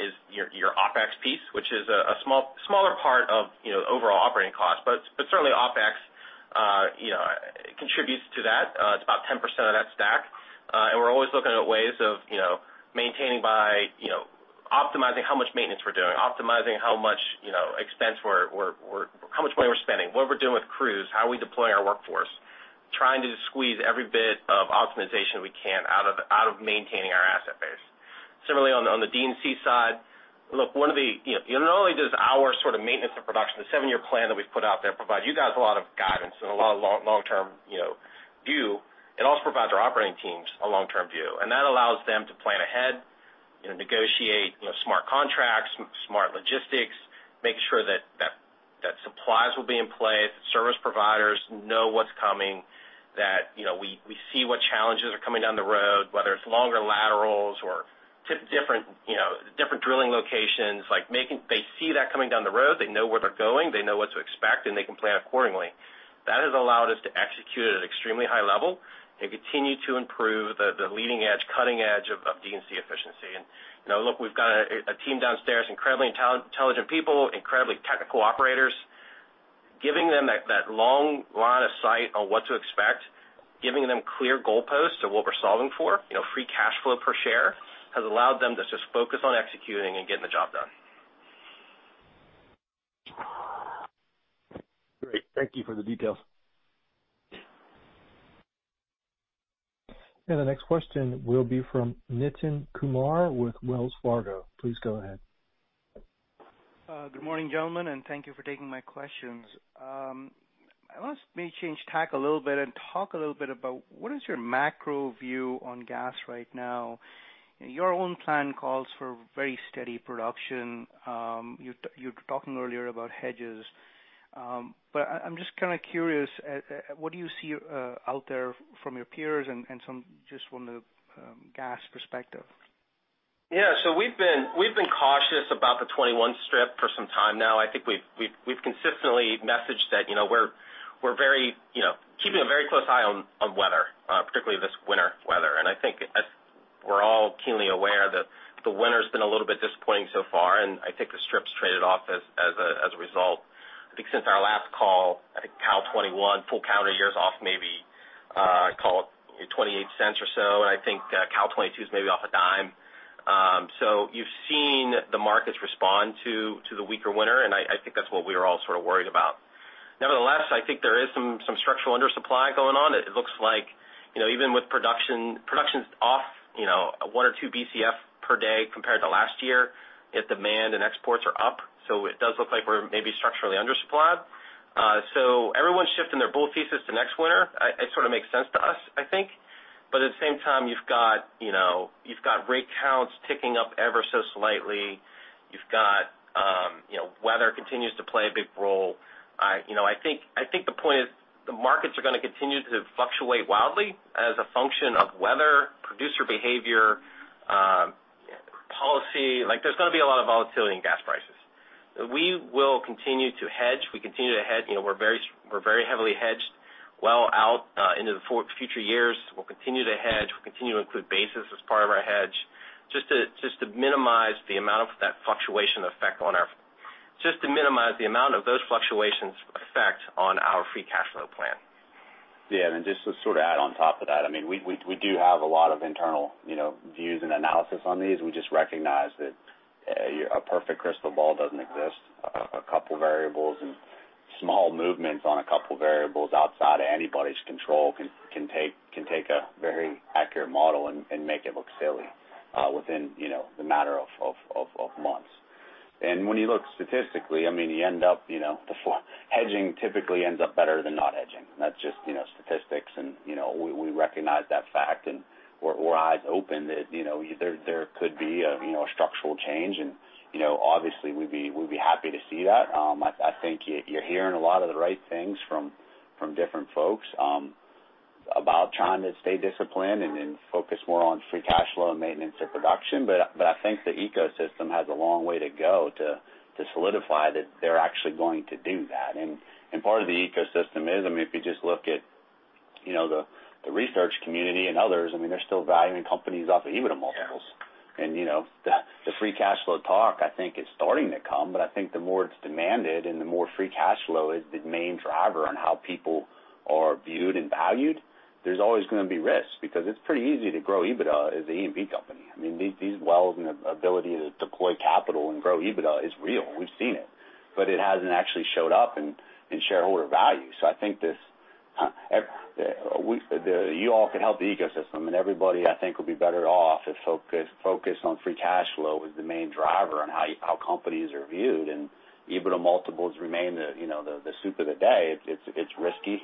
is your OpEx piece, which is a smaller part of overall operating costs, but certainly OpEx contributes to that. It's about 10% of that stack. We're always looking at ways of maintaining by optimizing how much maintenance we're doing, optimizing how much money we're spending, what we're doing with crews, how are we deploying our workforce, trying to squeeze every bit of optimization we can out of maintaining our asset base. Similarly, on the D&C side, look, not only does our sort of maintenance and production, the seven-year plan that we've put out there provide you guys a lot of guidance and a lot of long-term view, it also provides our operating teams a long-term view, that allows them to plan ahead, negotiate smart contracts, smart logistics, make sure that supplies will be in place, service providers know what's coming, that we see what challenges are coming down the road, whether it's longer laterals or different drilling locations. They see that coming down the road. They know where they're going. They know what to expect, and they can plan accordingly. That has allowed us to execute at an extremely high level and continue to improve the leading edge, cutting edge of D&C efficiency. Look, we've got a team downstairs, incredibly intelligent people, incredibly technical operators. Giving them that long line of sight on what to expect, giving them clear goalposts of what we're solving for, free cash flow per share, has allowed them to just focus on executing and getting the job done. Thank you for the details. The next question will be from Nitin Kumar with Wells Fargo. Please go ahead. Good morning, gentlemen. Thank you for taking my questions. I want us to maybe change tack a little bit and talk a little bit about what is your macro view on gas right now. Your own plan calls for very steady production. You were talking earlier about hedges. I'm just kind of curious, what do you see out there from your peers and just from the gas perspective? Yeah. We've been cautious about the 2021 strip for some time now. I think we've consistently messaged that we're keeping a very close eye on weather, particularly this winter weather. I think as we're all keenly aware that the winter's been a little bit disappointing so far, and I think the strip's traded off as a result. I think since our last call, I think Cal 2021, full calendar year is off maybe, call it $0.28 or so, and I think Cal 2022 is maybe off $0.10. You've seen the markets respond to the weaker winter, and I think that's what we are all sort of worried about. Nevertheless, I think there is some structural undersupply going on. It looks like even with production off one or 2 Bcf per day compared to last year, yet demand and exports are up. It does look like we're maybe structurally undersupplied. Everyone's shifting their bull thesis to next winter. It sort of makes sense to us, I think. At the same time, you've got rig counts ticking up ever so slightly. You've got weather continues to play a big role. I think the point is the markets are going to continue to fluctuate wildly as a function of weather, producer behavior, policy. There's going to be a lot of volatility in gas prices. We will continue to hedge. We continue to hedge. We're very heavily hedged well out into the future years. We'll continue to hedge. We'll continue to include basis as part of our hedge just to minimize the amount of those fluctuations' effect on our free cash flow plan. Just to sort of add on top of that, we do have a lot of internal views and analysis on these. We just recognize that a perfect crystal ball doesn't exist. A couple of variables and small movements on a couple of variables outside of anybody's control can take a very accurate model and make it look silly within the matter of months. When you look statistically, hedging typically ends up better than not hedging. That's just statistics, and we recognize that fact, and we're eyes open that there could be a structural change, and obviously, we'd be happy to see that. I think you're hearing a lot of the right things from different folks about trying to stay disciplined and focus more on free cash flow and maintenance of production. I think the ecosystem has a long way to go to solidify that they're actually going to do that. Part of the ecosystem is, if you just look at the research community and others, they're still valuing companies off of EBITDA multiples. The free cash flow talk, I think, is starting to come, but I think the more it's demanded and the more free cash flow is the main driver on how people are viewed and valued, there's always going to be risk because it's pretty easy to grow EBITDA as an E&P company. These wells and the ability to deploy capital and grow EBITDA is real. We've seen it. It hasn't actually showed up in shareholder value. I think you all could help the ecosystem, and everybody, I think, would be better off if focus on free cash flow is the main driver on how companies are viewed. EBITDA multiples remain the soup of the day. It's risky.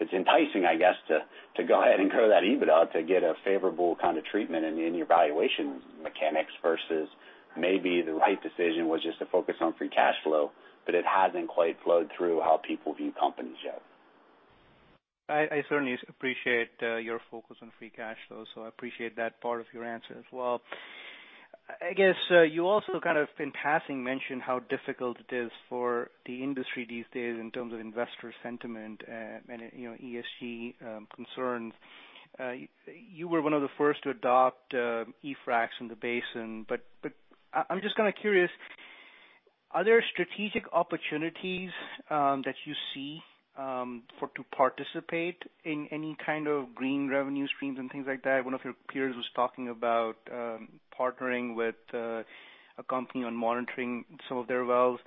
It's enticing, I guess, to go ahead and grow that EBITDA to get a favorable kind of treatment in your valuation mechanics versus maybe the right decision was just to focus on free cash flow. It hasn't quite flowed through how people view companies yet. I certainly appreciate your focus on free cash flow, so I appreciate that part of your answer as well. I guess you also kind of in passing mentioned how difficult it is for the industry these days in terms of investor sentiment and ESG concerns. You were one of the first to adopt eFracs in the basin. I'm just kind of curious, are there strategic opportunities that you see to participate in any kind of green revenue streams and things like that? One of your peers was talking about partnering with a company on monitoring some of their wells.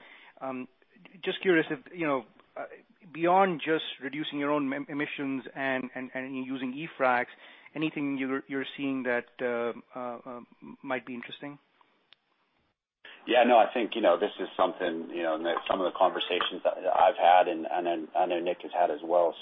Just curious if beyond just reducing your own emissions and using eFracs, anything you're seeing that might be interesting? Yeah, no, I think this is something that some of the conversations that I've had, and I know Nick has had as well.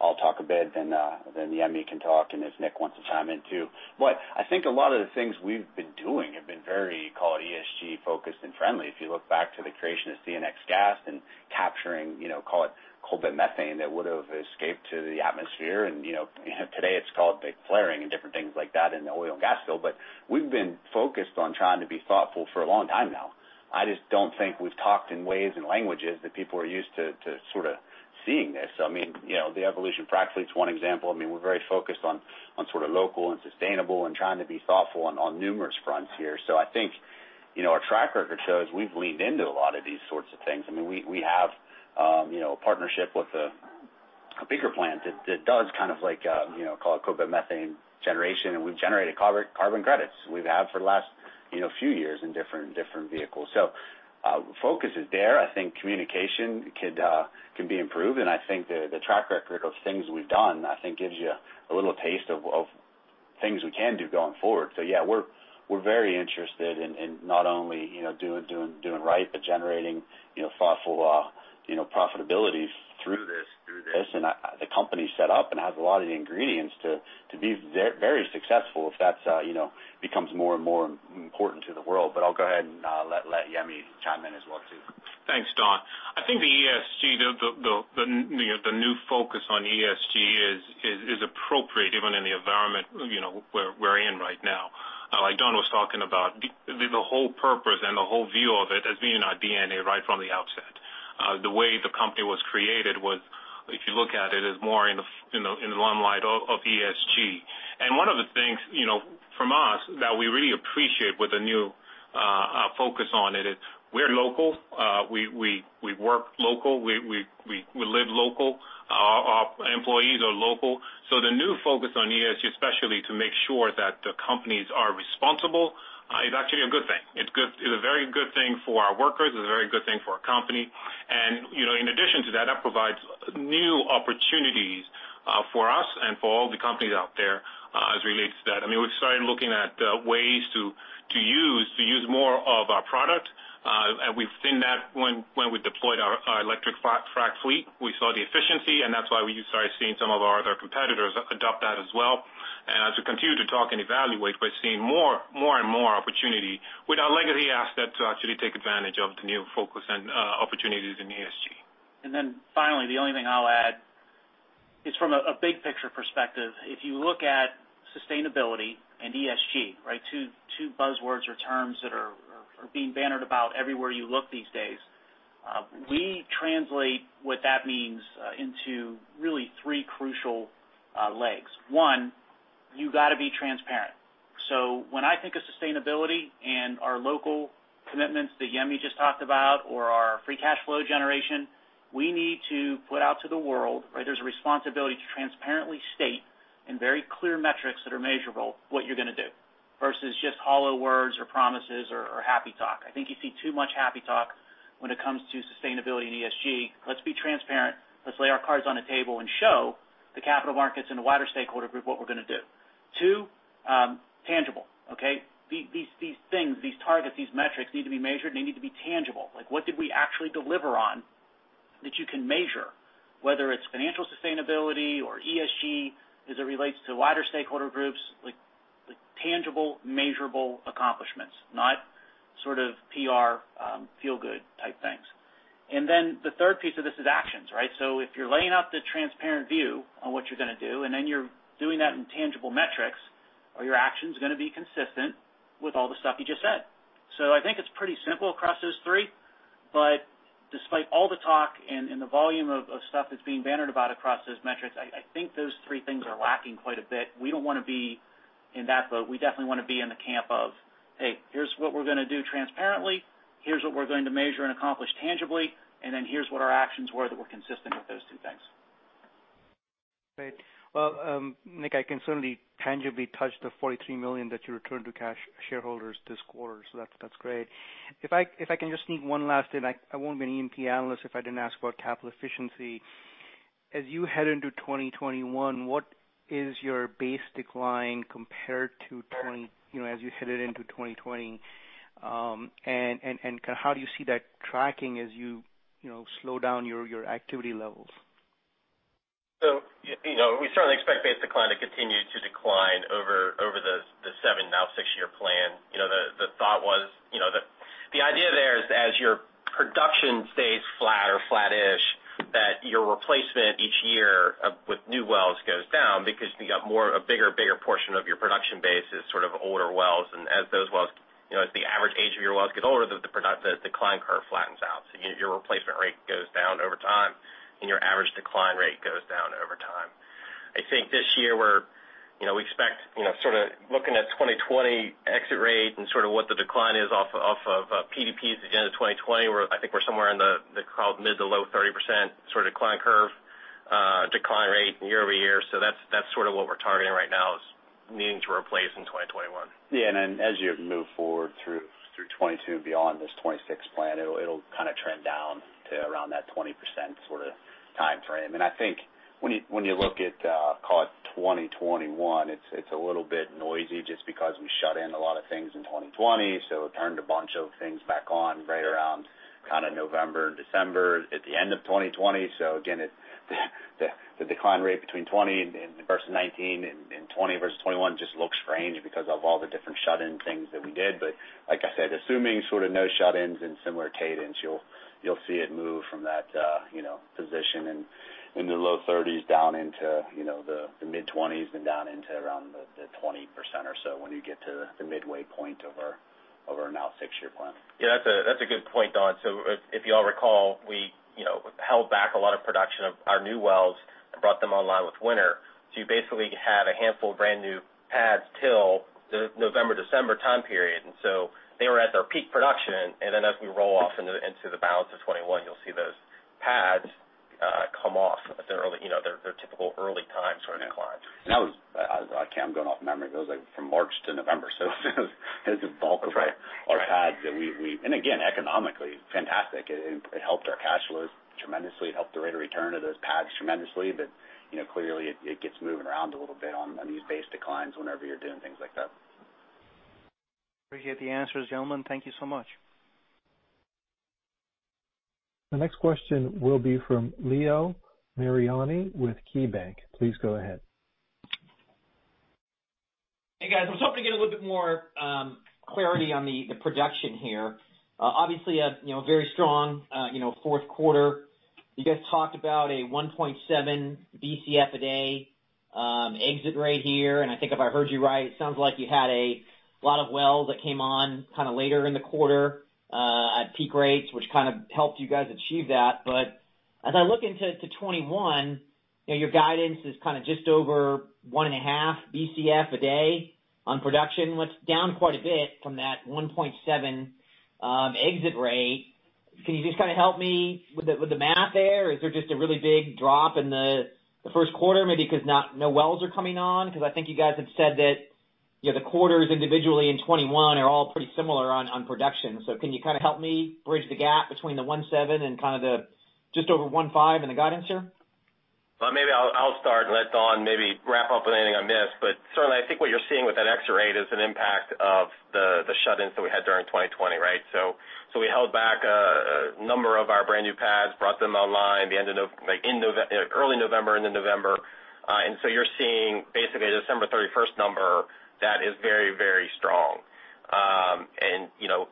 I'll talk a bit, then Yemi can talk, and if Nick wants to chime in, too. I think a lot of the things we've been doing have been very, call it, ESG-focused and friendly. If you look back to the creation of CNX Gas and capturing, call it, coalbed methane that would have escaped to the atmosphere, and today it's called flaring and different things like that in the oil and gas field. We've been focused on trying to be thoughtful for a long time now. I just don't think we've talked in ways and languages that people are used to sort of seeing this. The evolution of frac fleet is one example. We're very focused on sort of local and sustainable and trying to be thoughtful on numerous fronts here. I think our track record shows we've leaned into a lot of these sorts of things. We have a partnership with a bigger plant that does kind of like, call it coalbed methane generation, and we've generated carbon credits. We've have for the last few years in different vehicles. The focus is there. I think communication could be improved, and I think the track record of things we've done, I think gives you a little taste of things we can do going forward. Yeah, we're very interested in not only doing right, but generating thoughtful profitabilities through this. And the company's set up and has a lot of the ingredients to be very successful if that becomes more and more important to the world. I'll go ahead and let Yemi chime in as well, too. Thanks, Don. I think the ESG, the new focus on ESG is appropriate, given in the environment we're in right now. Like Don was talking about, the whole purpose and the whole view of it as being in our DNA right from the outset. The way the company was created was, if you look at it, is more in the limelight of ESG. One of the things from us that we really appreciate with the new focus on it is we're local. We work local. We live local. Our employees are local. The new focus on ESG, especially to make sure that the companies are responsible, is actually a good thing. It's a very good thing for our workers. It's a very good thing for our company. In addition to that provides new opportunities for us and for all the companies out there as it relates to that. We started looking at ways to use more of our product. We've seen that when we deployed our electric frac fleet. We saw the efficiency, and that's why we started seeing some of our other competitors adopt that as well. As we continue to talk and evaluate, we're seeing more and more opportunity with our legacy asset to actually take advantage of the new focus and opportunities in ESG. Finally, the only thing I'll add is from a big picture perspective, if you look at sustainability and ESG, two buzzwords or terms that are being bannered about everywhere you look these days. We translate what that means into really three crucial legs. One, you got to be transparent. When I think of sustainability and our local commitments that Yemi just talked about or our free cash flow generation, we need to put out to the world there's a responsibility to transparently state in very clear metrics that are measurable what you're going to do versus just hollow words or promises or happy talk. I think you see too much happy talk when it comes to sustainability and ESG. Let's be transparent. Let's lay our cards on the table and show the capital markets and the wider stakeholder group what we're going to do. Two, tangible. Okay. These things, these targets, these metrics need to be measured, and they need to be tangible. What did we actually deliver on that you can measure, whether it's financial sustainability or ESG as it relates to wider stakeholder groups, tangible, measurable accomplishments, not sort of PR feel-good type things. Then the third piece of this is actions. If you're laying out the transparent view on what you're going to do, and then you're doing that in tangible metrics, are your actions going to be consistent with all the stuff you just said? I think it's pretty simple across those three, but despite all the talk and the volume of stuff that's being bannered about across those metrics, I think those three things are lacking quite a bit. We don't want to be in that boat. We definitely want to be in the camp of, "Hey, here's what we're going to do transparently, here's what we're going to measure and accomplish tangibly, and then here's what our actions were that were consistent with those two things. Great. Well, Nick, I can certainly tangibly touch the $43 million that you returned to cash shareholders this quarter, so that's great. If I can just sneak one last in. I won't be an E&P analyst if I didn't ask about capital efficiency. As you head into 2021, what is your base decline as you headed into 2020, and how do you see that tracking as you slow down your activity levels? We certainly expect base decline to continue to decline over the seven-year plan, now six-year plan. The idea there is as your production stays flat or flat-ish, that your replacement each year with new wells goes down because you got a bigger portion of your production base is sort of older wells. As the average age of your wells get older, the decline curve flattens out. Your replacement rate goes down over time, and your average decline rate goes down over time. I think this year we expect, sort of looking at 2020 exit rate and sort of what the decline is off of PDPs at the end of 2020, I think we're somewhere in the mid to low 30% sort of decline curve, decline rate year-over-year. That's sort of what we're targeting right now is needing to replace in 2021. As you move forward through 2022 and beyond this 2026 plan, it'll kind of trend down to around that 20% sort of timeframe. I think when you look at call it 2021, it's a little bit noisy just because we shut in a lot of things in 2020, so it turned a bunch of things back on right around kind of November and December at the end of 2020. Again, the decline rate between 2020 versus 2019 and 2020 versus 2021 just looks strange because of all the different shut-in things that we did. Like I said, assuming sort of no shut-ins and similar cadence, you'll see it move from that position in the low 30s down into the mid-20s and down into around the 20% or so when you get to the midway point of our now six-year plan. Yeah, that's a good point, Don. If you all recall, we held back a lot of production of our new wells and brought them online with winter. You basically had a handful of brand new pads till the November, December time period. They were at their peak production. As we roll off into the balance of 2021, you'll see those pads come off their typical early times for an incline. That was, I think I'm going off memory, it was from March-November. It was the bulk of our- Right pads that we Again, economically, fantastic. It helped our cash flows tremendously. It helped the rate of return of those pads tremendously. Clearly, it gets moving around a little bit on these base declines whenever you're doing things like that. Appreciate the answers, gentlemen. Thank you so much. The next question will be from Leo Mariani with KeyBanc. Please go ahead. Hey, guys. I was hoping to get a little bit more clarity on the production here. Obviously, a very strong fourth quarter. You guys talked about a 1.7 Bcf a day exit rate here, and I think if I heard you right, it sounds like you had a lot of wells that came on later in the quarter at peak rates, which helped you guys achieve that. As I look into 2021, your guidance is just over 1.5 Bcf a day on production, down quite a bit from that 1.7 Bcf exit rate. Can you just help me with the math there? Is there just a really big drop in the first quarter, maybe because no wells are coming on? I think you guys have said that the quarters individually in 2021 are all pretty similar on production. Can you help me bridge the gap between the 1.7 Bcf and the just over 1.5 Bcf in the guidance here? Maybe I'll start and let Don maybe wrap up with anything I miss, but certainly, I think what you're seeing with that exit rate is an impact of the shut-ins that we had during 2020, right? We held back a number of our brand-new pads, brought them online early November into November. You're seeing basically a December 31st number that is very, very strong.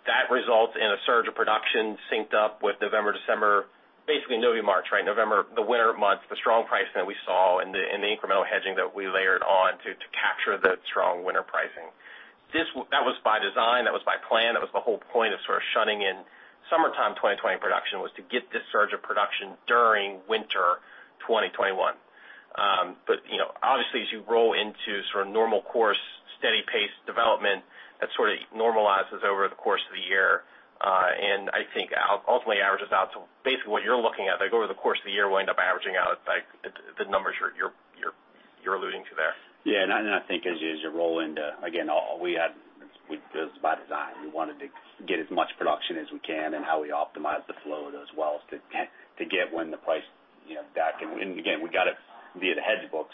That results in a surge of production synced up with November, December, basically November, March, right? November, the winter months, the strong pricing that we saw and the incremental hedging that we layered on to capture the strong winter pricing. That was by design, that was by plan, that was the whole point of shutting in summertime 2020 production, was to get this surge of production during winter 2021. Obviously, as you roll into normal course, steady pace development, that normalizes over the course of the year. I think ultimately averages out to basically what you're looking at, over the course of the year, we'll end up averaging out the numbers you're alluding to there. I think as you roll into, again, this was by design. We wanted to get as much production as we can and how we optimize the flow of those wells to get when the price is back. Again, we got it via the hedge book.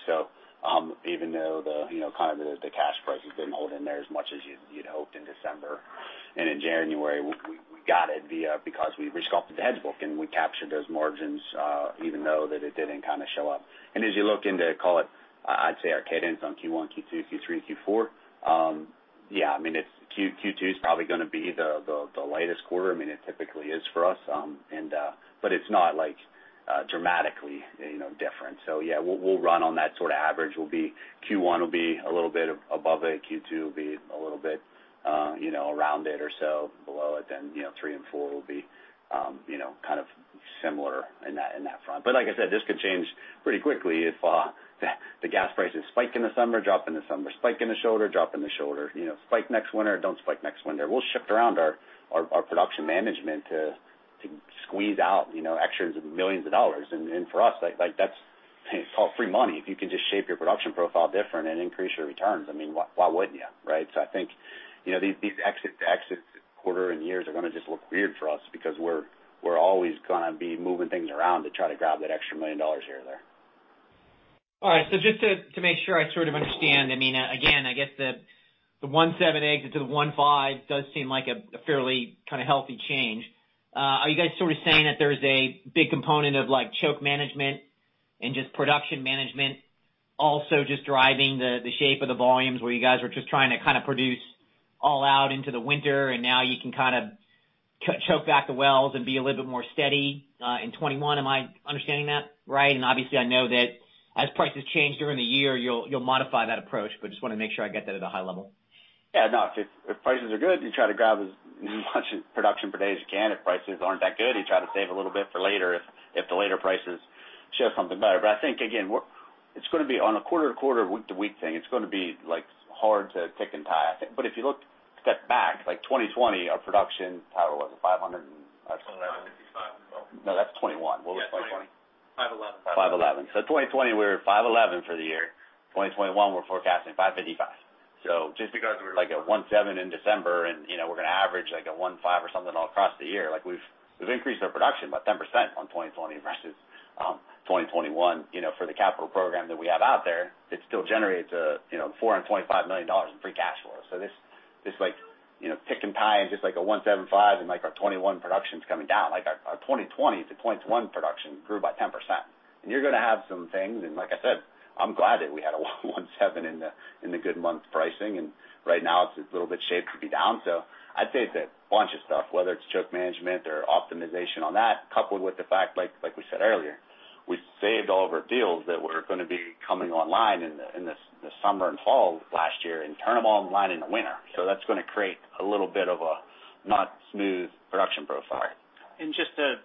Even though the cash prices didn't hold in there as much as you'd hoped in December and in January, we got it via because we resculpted the hedge book, and we captured those margins even though that it didn't show up. As you look into, call it, I'd say our cadence on Q1, Q2, Q3, and Q4, Q2's probably going to be the lightest quarter. It typically is for us. It's not dramatically different. We'll run on that sort of average. Q1 will be a little bit above it. Q2 will be a little bit around it or so below it. Three and four will be similar in that front. Like I said, this could change pretty quickly if the gas prices spike in the summer, drop in the summer, spike in the shoulder, drop in the shoulder, spike next winter, don't spike next winter. We'll shift around our production management to squeeze out extras of millions of dollars. For us, that's all free money. If you can just shape your production profile different and increase your returns, why wouldn't you, right? I think these exit-to-exit quarter and years are going to just look weird for us because we're always going to be moving things around to try to grab that extra $1 million here or there. All right. Just to make sure I understand, again, I guess the 1.7 Bcf exit rate to the 1.5 Bcf does seem like a fairly healthy change. Are you guys saying that there's a big component of choke management and just production management also just driving the shape of the volumes where you guys were just trying to produce all out into the winter, and now you can choke back the wells and be a little bit more steady in 2021? Am I understanding that right? Obviously I know that as prices change during the year, you'll modify that approach, but just want to make sure I get that at a high level. Yeah, no. If prices are good, you try to grab as much production per day as you can. If prices aren't that good, you try to save a little bit for later if the later prices show something better. I think, again, it's going to be on a quarter-to-quarter, week-to-week thing. It's going to be hard to pick and tie. If you look a step back, 2020, our production, Tyler, what was it? $500 million and- $555 million. No, that's 2021. What was 2020? $511 million. 2020, we were at $511 million for the year. 2021, we're forecasting $555 million. Just because we were at 1.7 Bcf in December, and we're going to average a 1.5 Bcf or something all across the year, we've increased our production by 10% from 2020 versus 2021 for the capital program that we have out there. It still generates $425 million in free cash flow. This pick and tie is just like a 1.75 Bcf, and our 2021 production's coming down. Our 2020-2021 production grew by 10%. You're going to have some things, and like I said, I'm glad that we had a 1.7 Bcf in the good months pricing. Right now, it's a little bit shaped to be down. I'd say it's a bunch of stuff, whether it's choke management or optimization on that, coupled with the fact, like we said earlier, we saved all of our wells that were going to be coming online in the summer and fall of last year and turn them all online in the winter. That's going to create a little bit of a not smooth production profile. Just to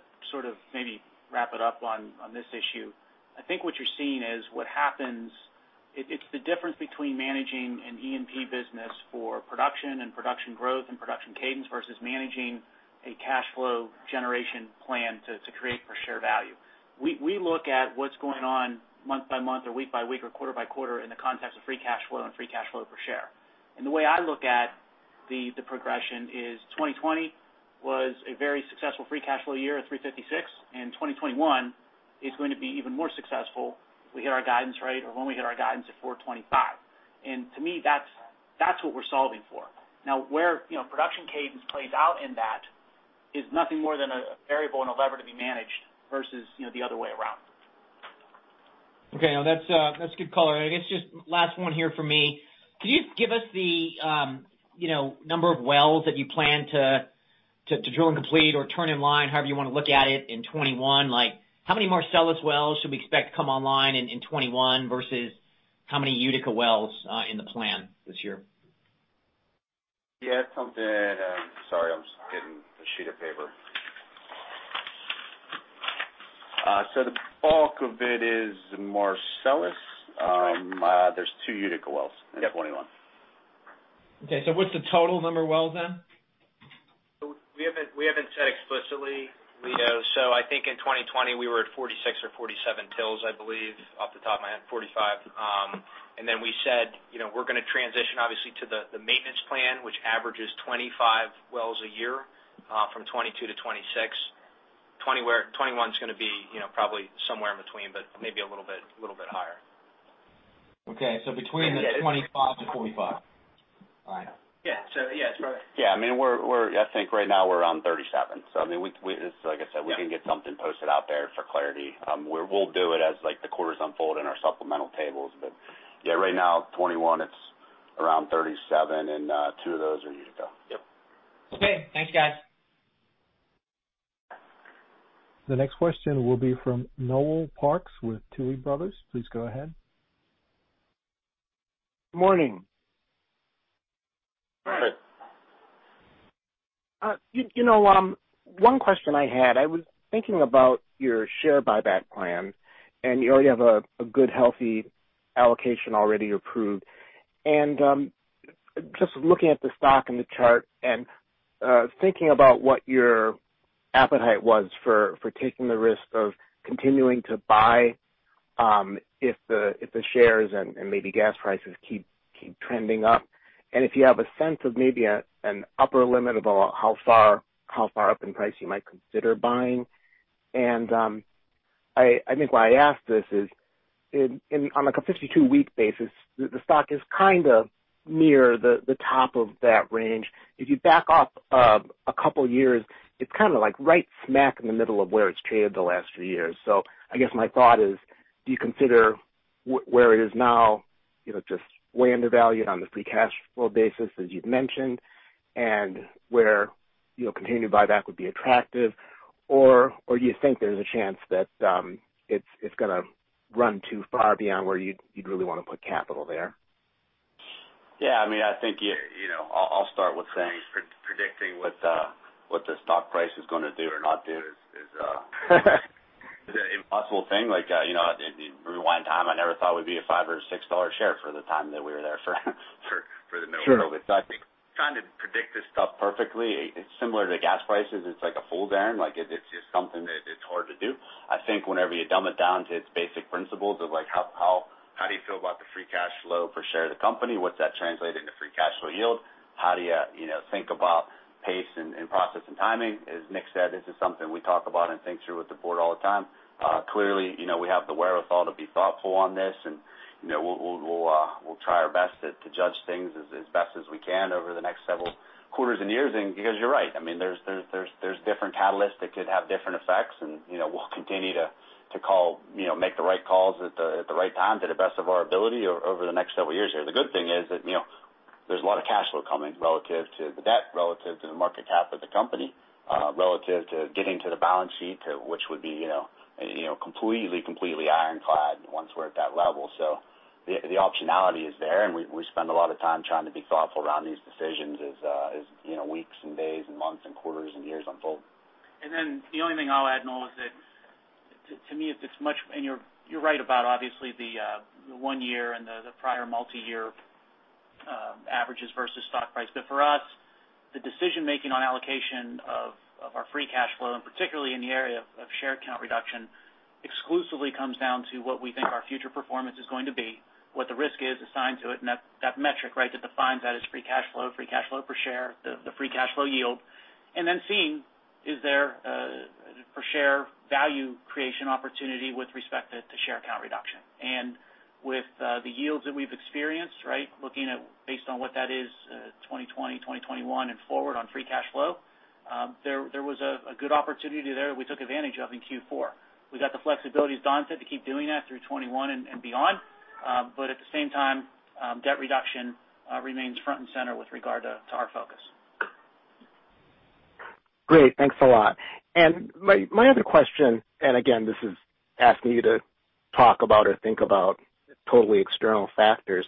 maybe wrap it up on this issue, I think what you're seeing is what happens. It's the difference between managing an E&P business for production and production growth and production cadence versus managing a cash flow generation plan to create per share value. We look at what's going on month by month or week by week or quarter by quarter in the context of free cash flow and free cash flow per share. The way I look at the progression is 2020 was a very successful free cash flow year at $356 million, 2021 is going to be even more successful if we hit our guidance right or when we hit our guidance at $425 million. To me, that's what we're solving for. Now, where production cadence plays out in that is nothing more than a variable and a lever to be managed versus the other way around. Okay. No, that's a good call. I guess just last one here from me. Can you just give us the number of wells that you plan to drill and complete or turn in line, however you want to look at it, in 2021? How many Marcellus wells should we expect to come online in 2021 versus how many Utica wells in the plan this year? Yeah. Something Sorry, I'm just getting a sheet of paper. The bulk of it is Marcellus. That's right. There's two Utica wells in 2021. Yep. Okay. What's the total number of wells then? We haven't said explicitly, Leo, so I think in 2020, we were at 46 wells or 47 wells, I believe. Off the top of my head, 45 wells. We said we're going to transition, obviously, to the maintenance plan, which averages 25 wells a year from 2022-2026. 2021's going to be probably somewhere in between, but maybe a little bit higher. Okay. Between the 25 wells-45 wells. All right. Yeah. Yeah, that's right. Yeah. I think right now we're around 37 wells. Like I said, we can get something posted out there for clarity. We'll do it as the quarters unfold in our supplemental tables. Yeah, right now, 2021, it's around 37 wells, and two of those are Utica. Yep. Okay. Thanks, guys. The next question will be from Noel Parks with Tuohy Brothers. Please go ahead. Morning. Hi. One question I had, I was thinking about your share buyback plan. You already have a good, healthy allocation already approved. Just looking at the stock and the chart and thinking about what your appetite was for taking the risk of continuing to buy if the shares and maybe gas prices keep trending up. If you have a sense of maybe an upper limit about how far up in price you might consider buying. I think why I ask this is, on a 52-week basis, the stock is kind of near the top of that range. If you back off a couple of years, it's kind of right smack in the middle of where it's traded the last few years. I guess my thought is, do you consider where it is now, just way undervalued on the free cash flow basis, as you've mentioned, and where continued buyback would be attractive, or do you think there's a chance that it's going to run too far beyond where you'd really want to put capital there? Yeah. I'll start with saying, predicting what the stock price is going to do or not do is an impossible thing. Rewind time, I never thought it would be a $5 or a $6 share for the time that we were there for the mill. Sure. I think trying to predict this stuff perfectly, it's similar to gas prices. It's like a fool's errand. It's just something that it's hard to do. Whenever you dumb it down to its basic principles of how do you feel about the free cash flow per share of the company? What's that translate into free cash flow yield? How do you think about pace and process and timing? As Nick said, this is something we talk about and think through with the board all the time. Clearly, we have the wherewithal to be thoughtful on this, and we'll try our best to judge things as best as we can over the next several quarters and years. Because you're right, there's different catalysts that could have different effects, and we'll continue to make the right calls at the right time to the best of our ability over the next several years here. The good thing is that there's a lot of cash flow coming relative to the debt, relative to the market cap of the company, relative to getting to the balance sheet, which would be completely ironclad once we're at that level. The optionality is there, and we spend a lot of time trying to be thoughtful around these decisions as weeks and days and months and quarters and years unfold. The only thing I'll add, Noel, is that to me, it's much. You're right about, obviously, the one year and the prior multi-year averages versus stock price. For us, the decision-making on allocation of our free cash flow, and particularly in the area of share count reduction, exclusively comes down to what we think our future performance is going to be, what the risk is assigned to it, and that metric, right, that defines that is free cash flow, free cash flow per share, the free cash flow yield. Seeing is there a per share value creation opportunity with respect to share count reduction. With the yields that we've experienced, right, looking at based on what that is, 2020, 2021, and forward on free cash flow there was a good opportunity there we took advantage of in Q4. We got the flexibility, as Don said, to keep doing that through 2021 and beyond. At the same time, debt reduction remains front and center with regard to our focus. Great. Thanks a lot. My other question, again, this is asking you to talk about or think about totally external factors,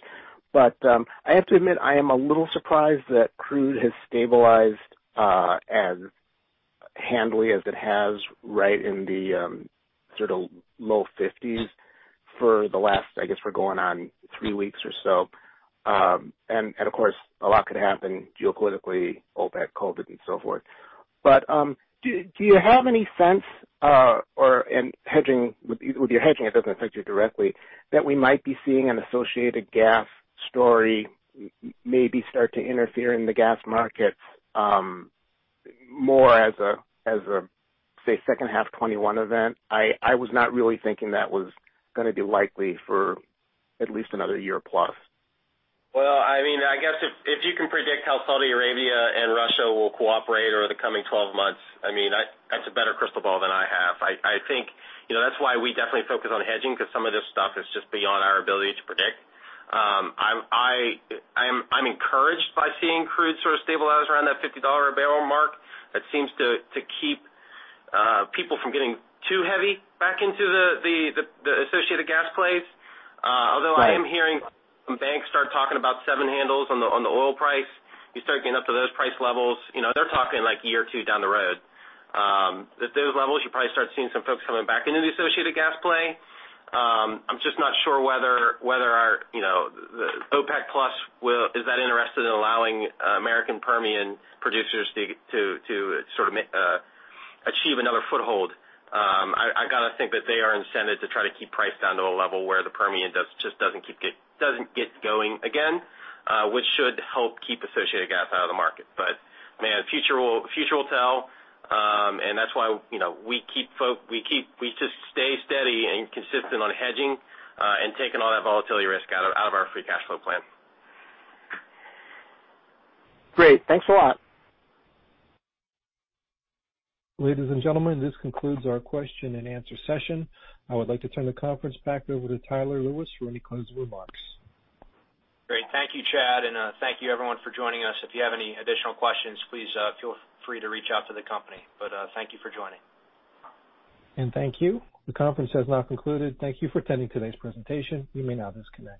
I have to admit, I am a little surprised that crude has stabilized as handily as it has right in the sort of low 50s for the last, I guess, we're going on three weeks or so. Of course, a lot could happen geopolitically, OPEC, COVID, and so forth. Do you have any sense, with your hedging, it doesn't affect you directly, that we might be seeing an associated gas story maybe start to interfere in the gas markets more as a, say, second half 2021 event? I was not really thinking that was going to be likely for at least another year plus. I guess if you can predict how Saudi Arabia and Russia will cooperate over the coming 12 months, that's a better crystal ball than I have. I think that's why we definitely focus on hedging, because some of this stuff is just beyond our ability to predict. I'm encouraged by seeing crude sort of stabilize around that $50 a barrel mark. That seems to keep people from getting too heavy back into the associated gas plays. Although I am hearing some banks start talking about seven handles on the oil price. You start getting up to those price levels. They're talking year or two down the road. At those levels, you probably start seeing some folks coming back into the associated gas play. I'm just not sure whether the OPEC+ is that interested in allowing American Permian producers to sort of achieve another foothold. I got to think that they are incented to try to keep price down to a level where the Permian just doesn't get going again, which should help keep associated gas out of the market. Man, the future will tell. That's why we just stay steady and consistent on hedging, and taking all that volatility risk out of our free cash flow plan. Great. Thanks a lot. Ladies and gentlemen, this concludes our question and answer session. I would like to turn the conference back over to Tyler Lewis for any closing remarks. Great. Thank you, Chad. Thank you everyone for joining us. If you have any additional questions, please feel free to reach out to the company. Thank you for joining. Thank you. The conference has now concluded. Thank you for attending today's presentation. You may now disconnect.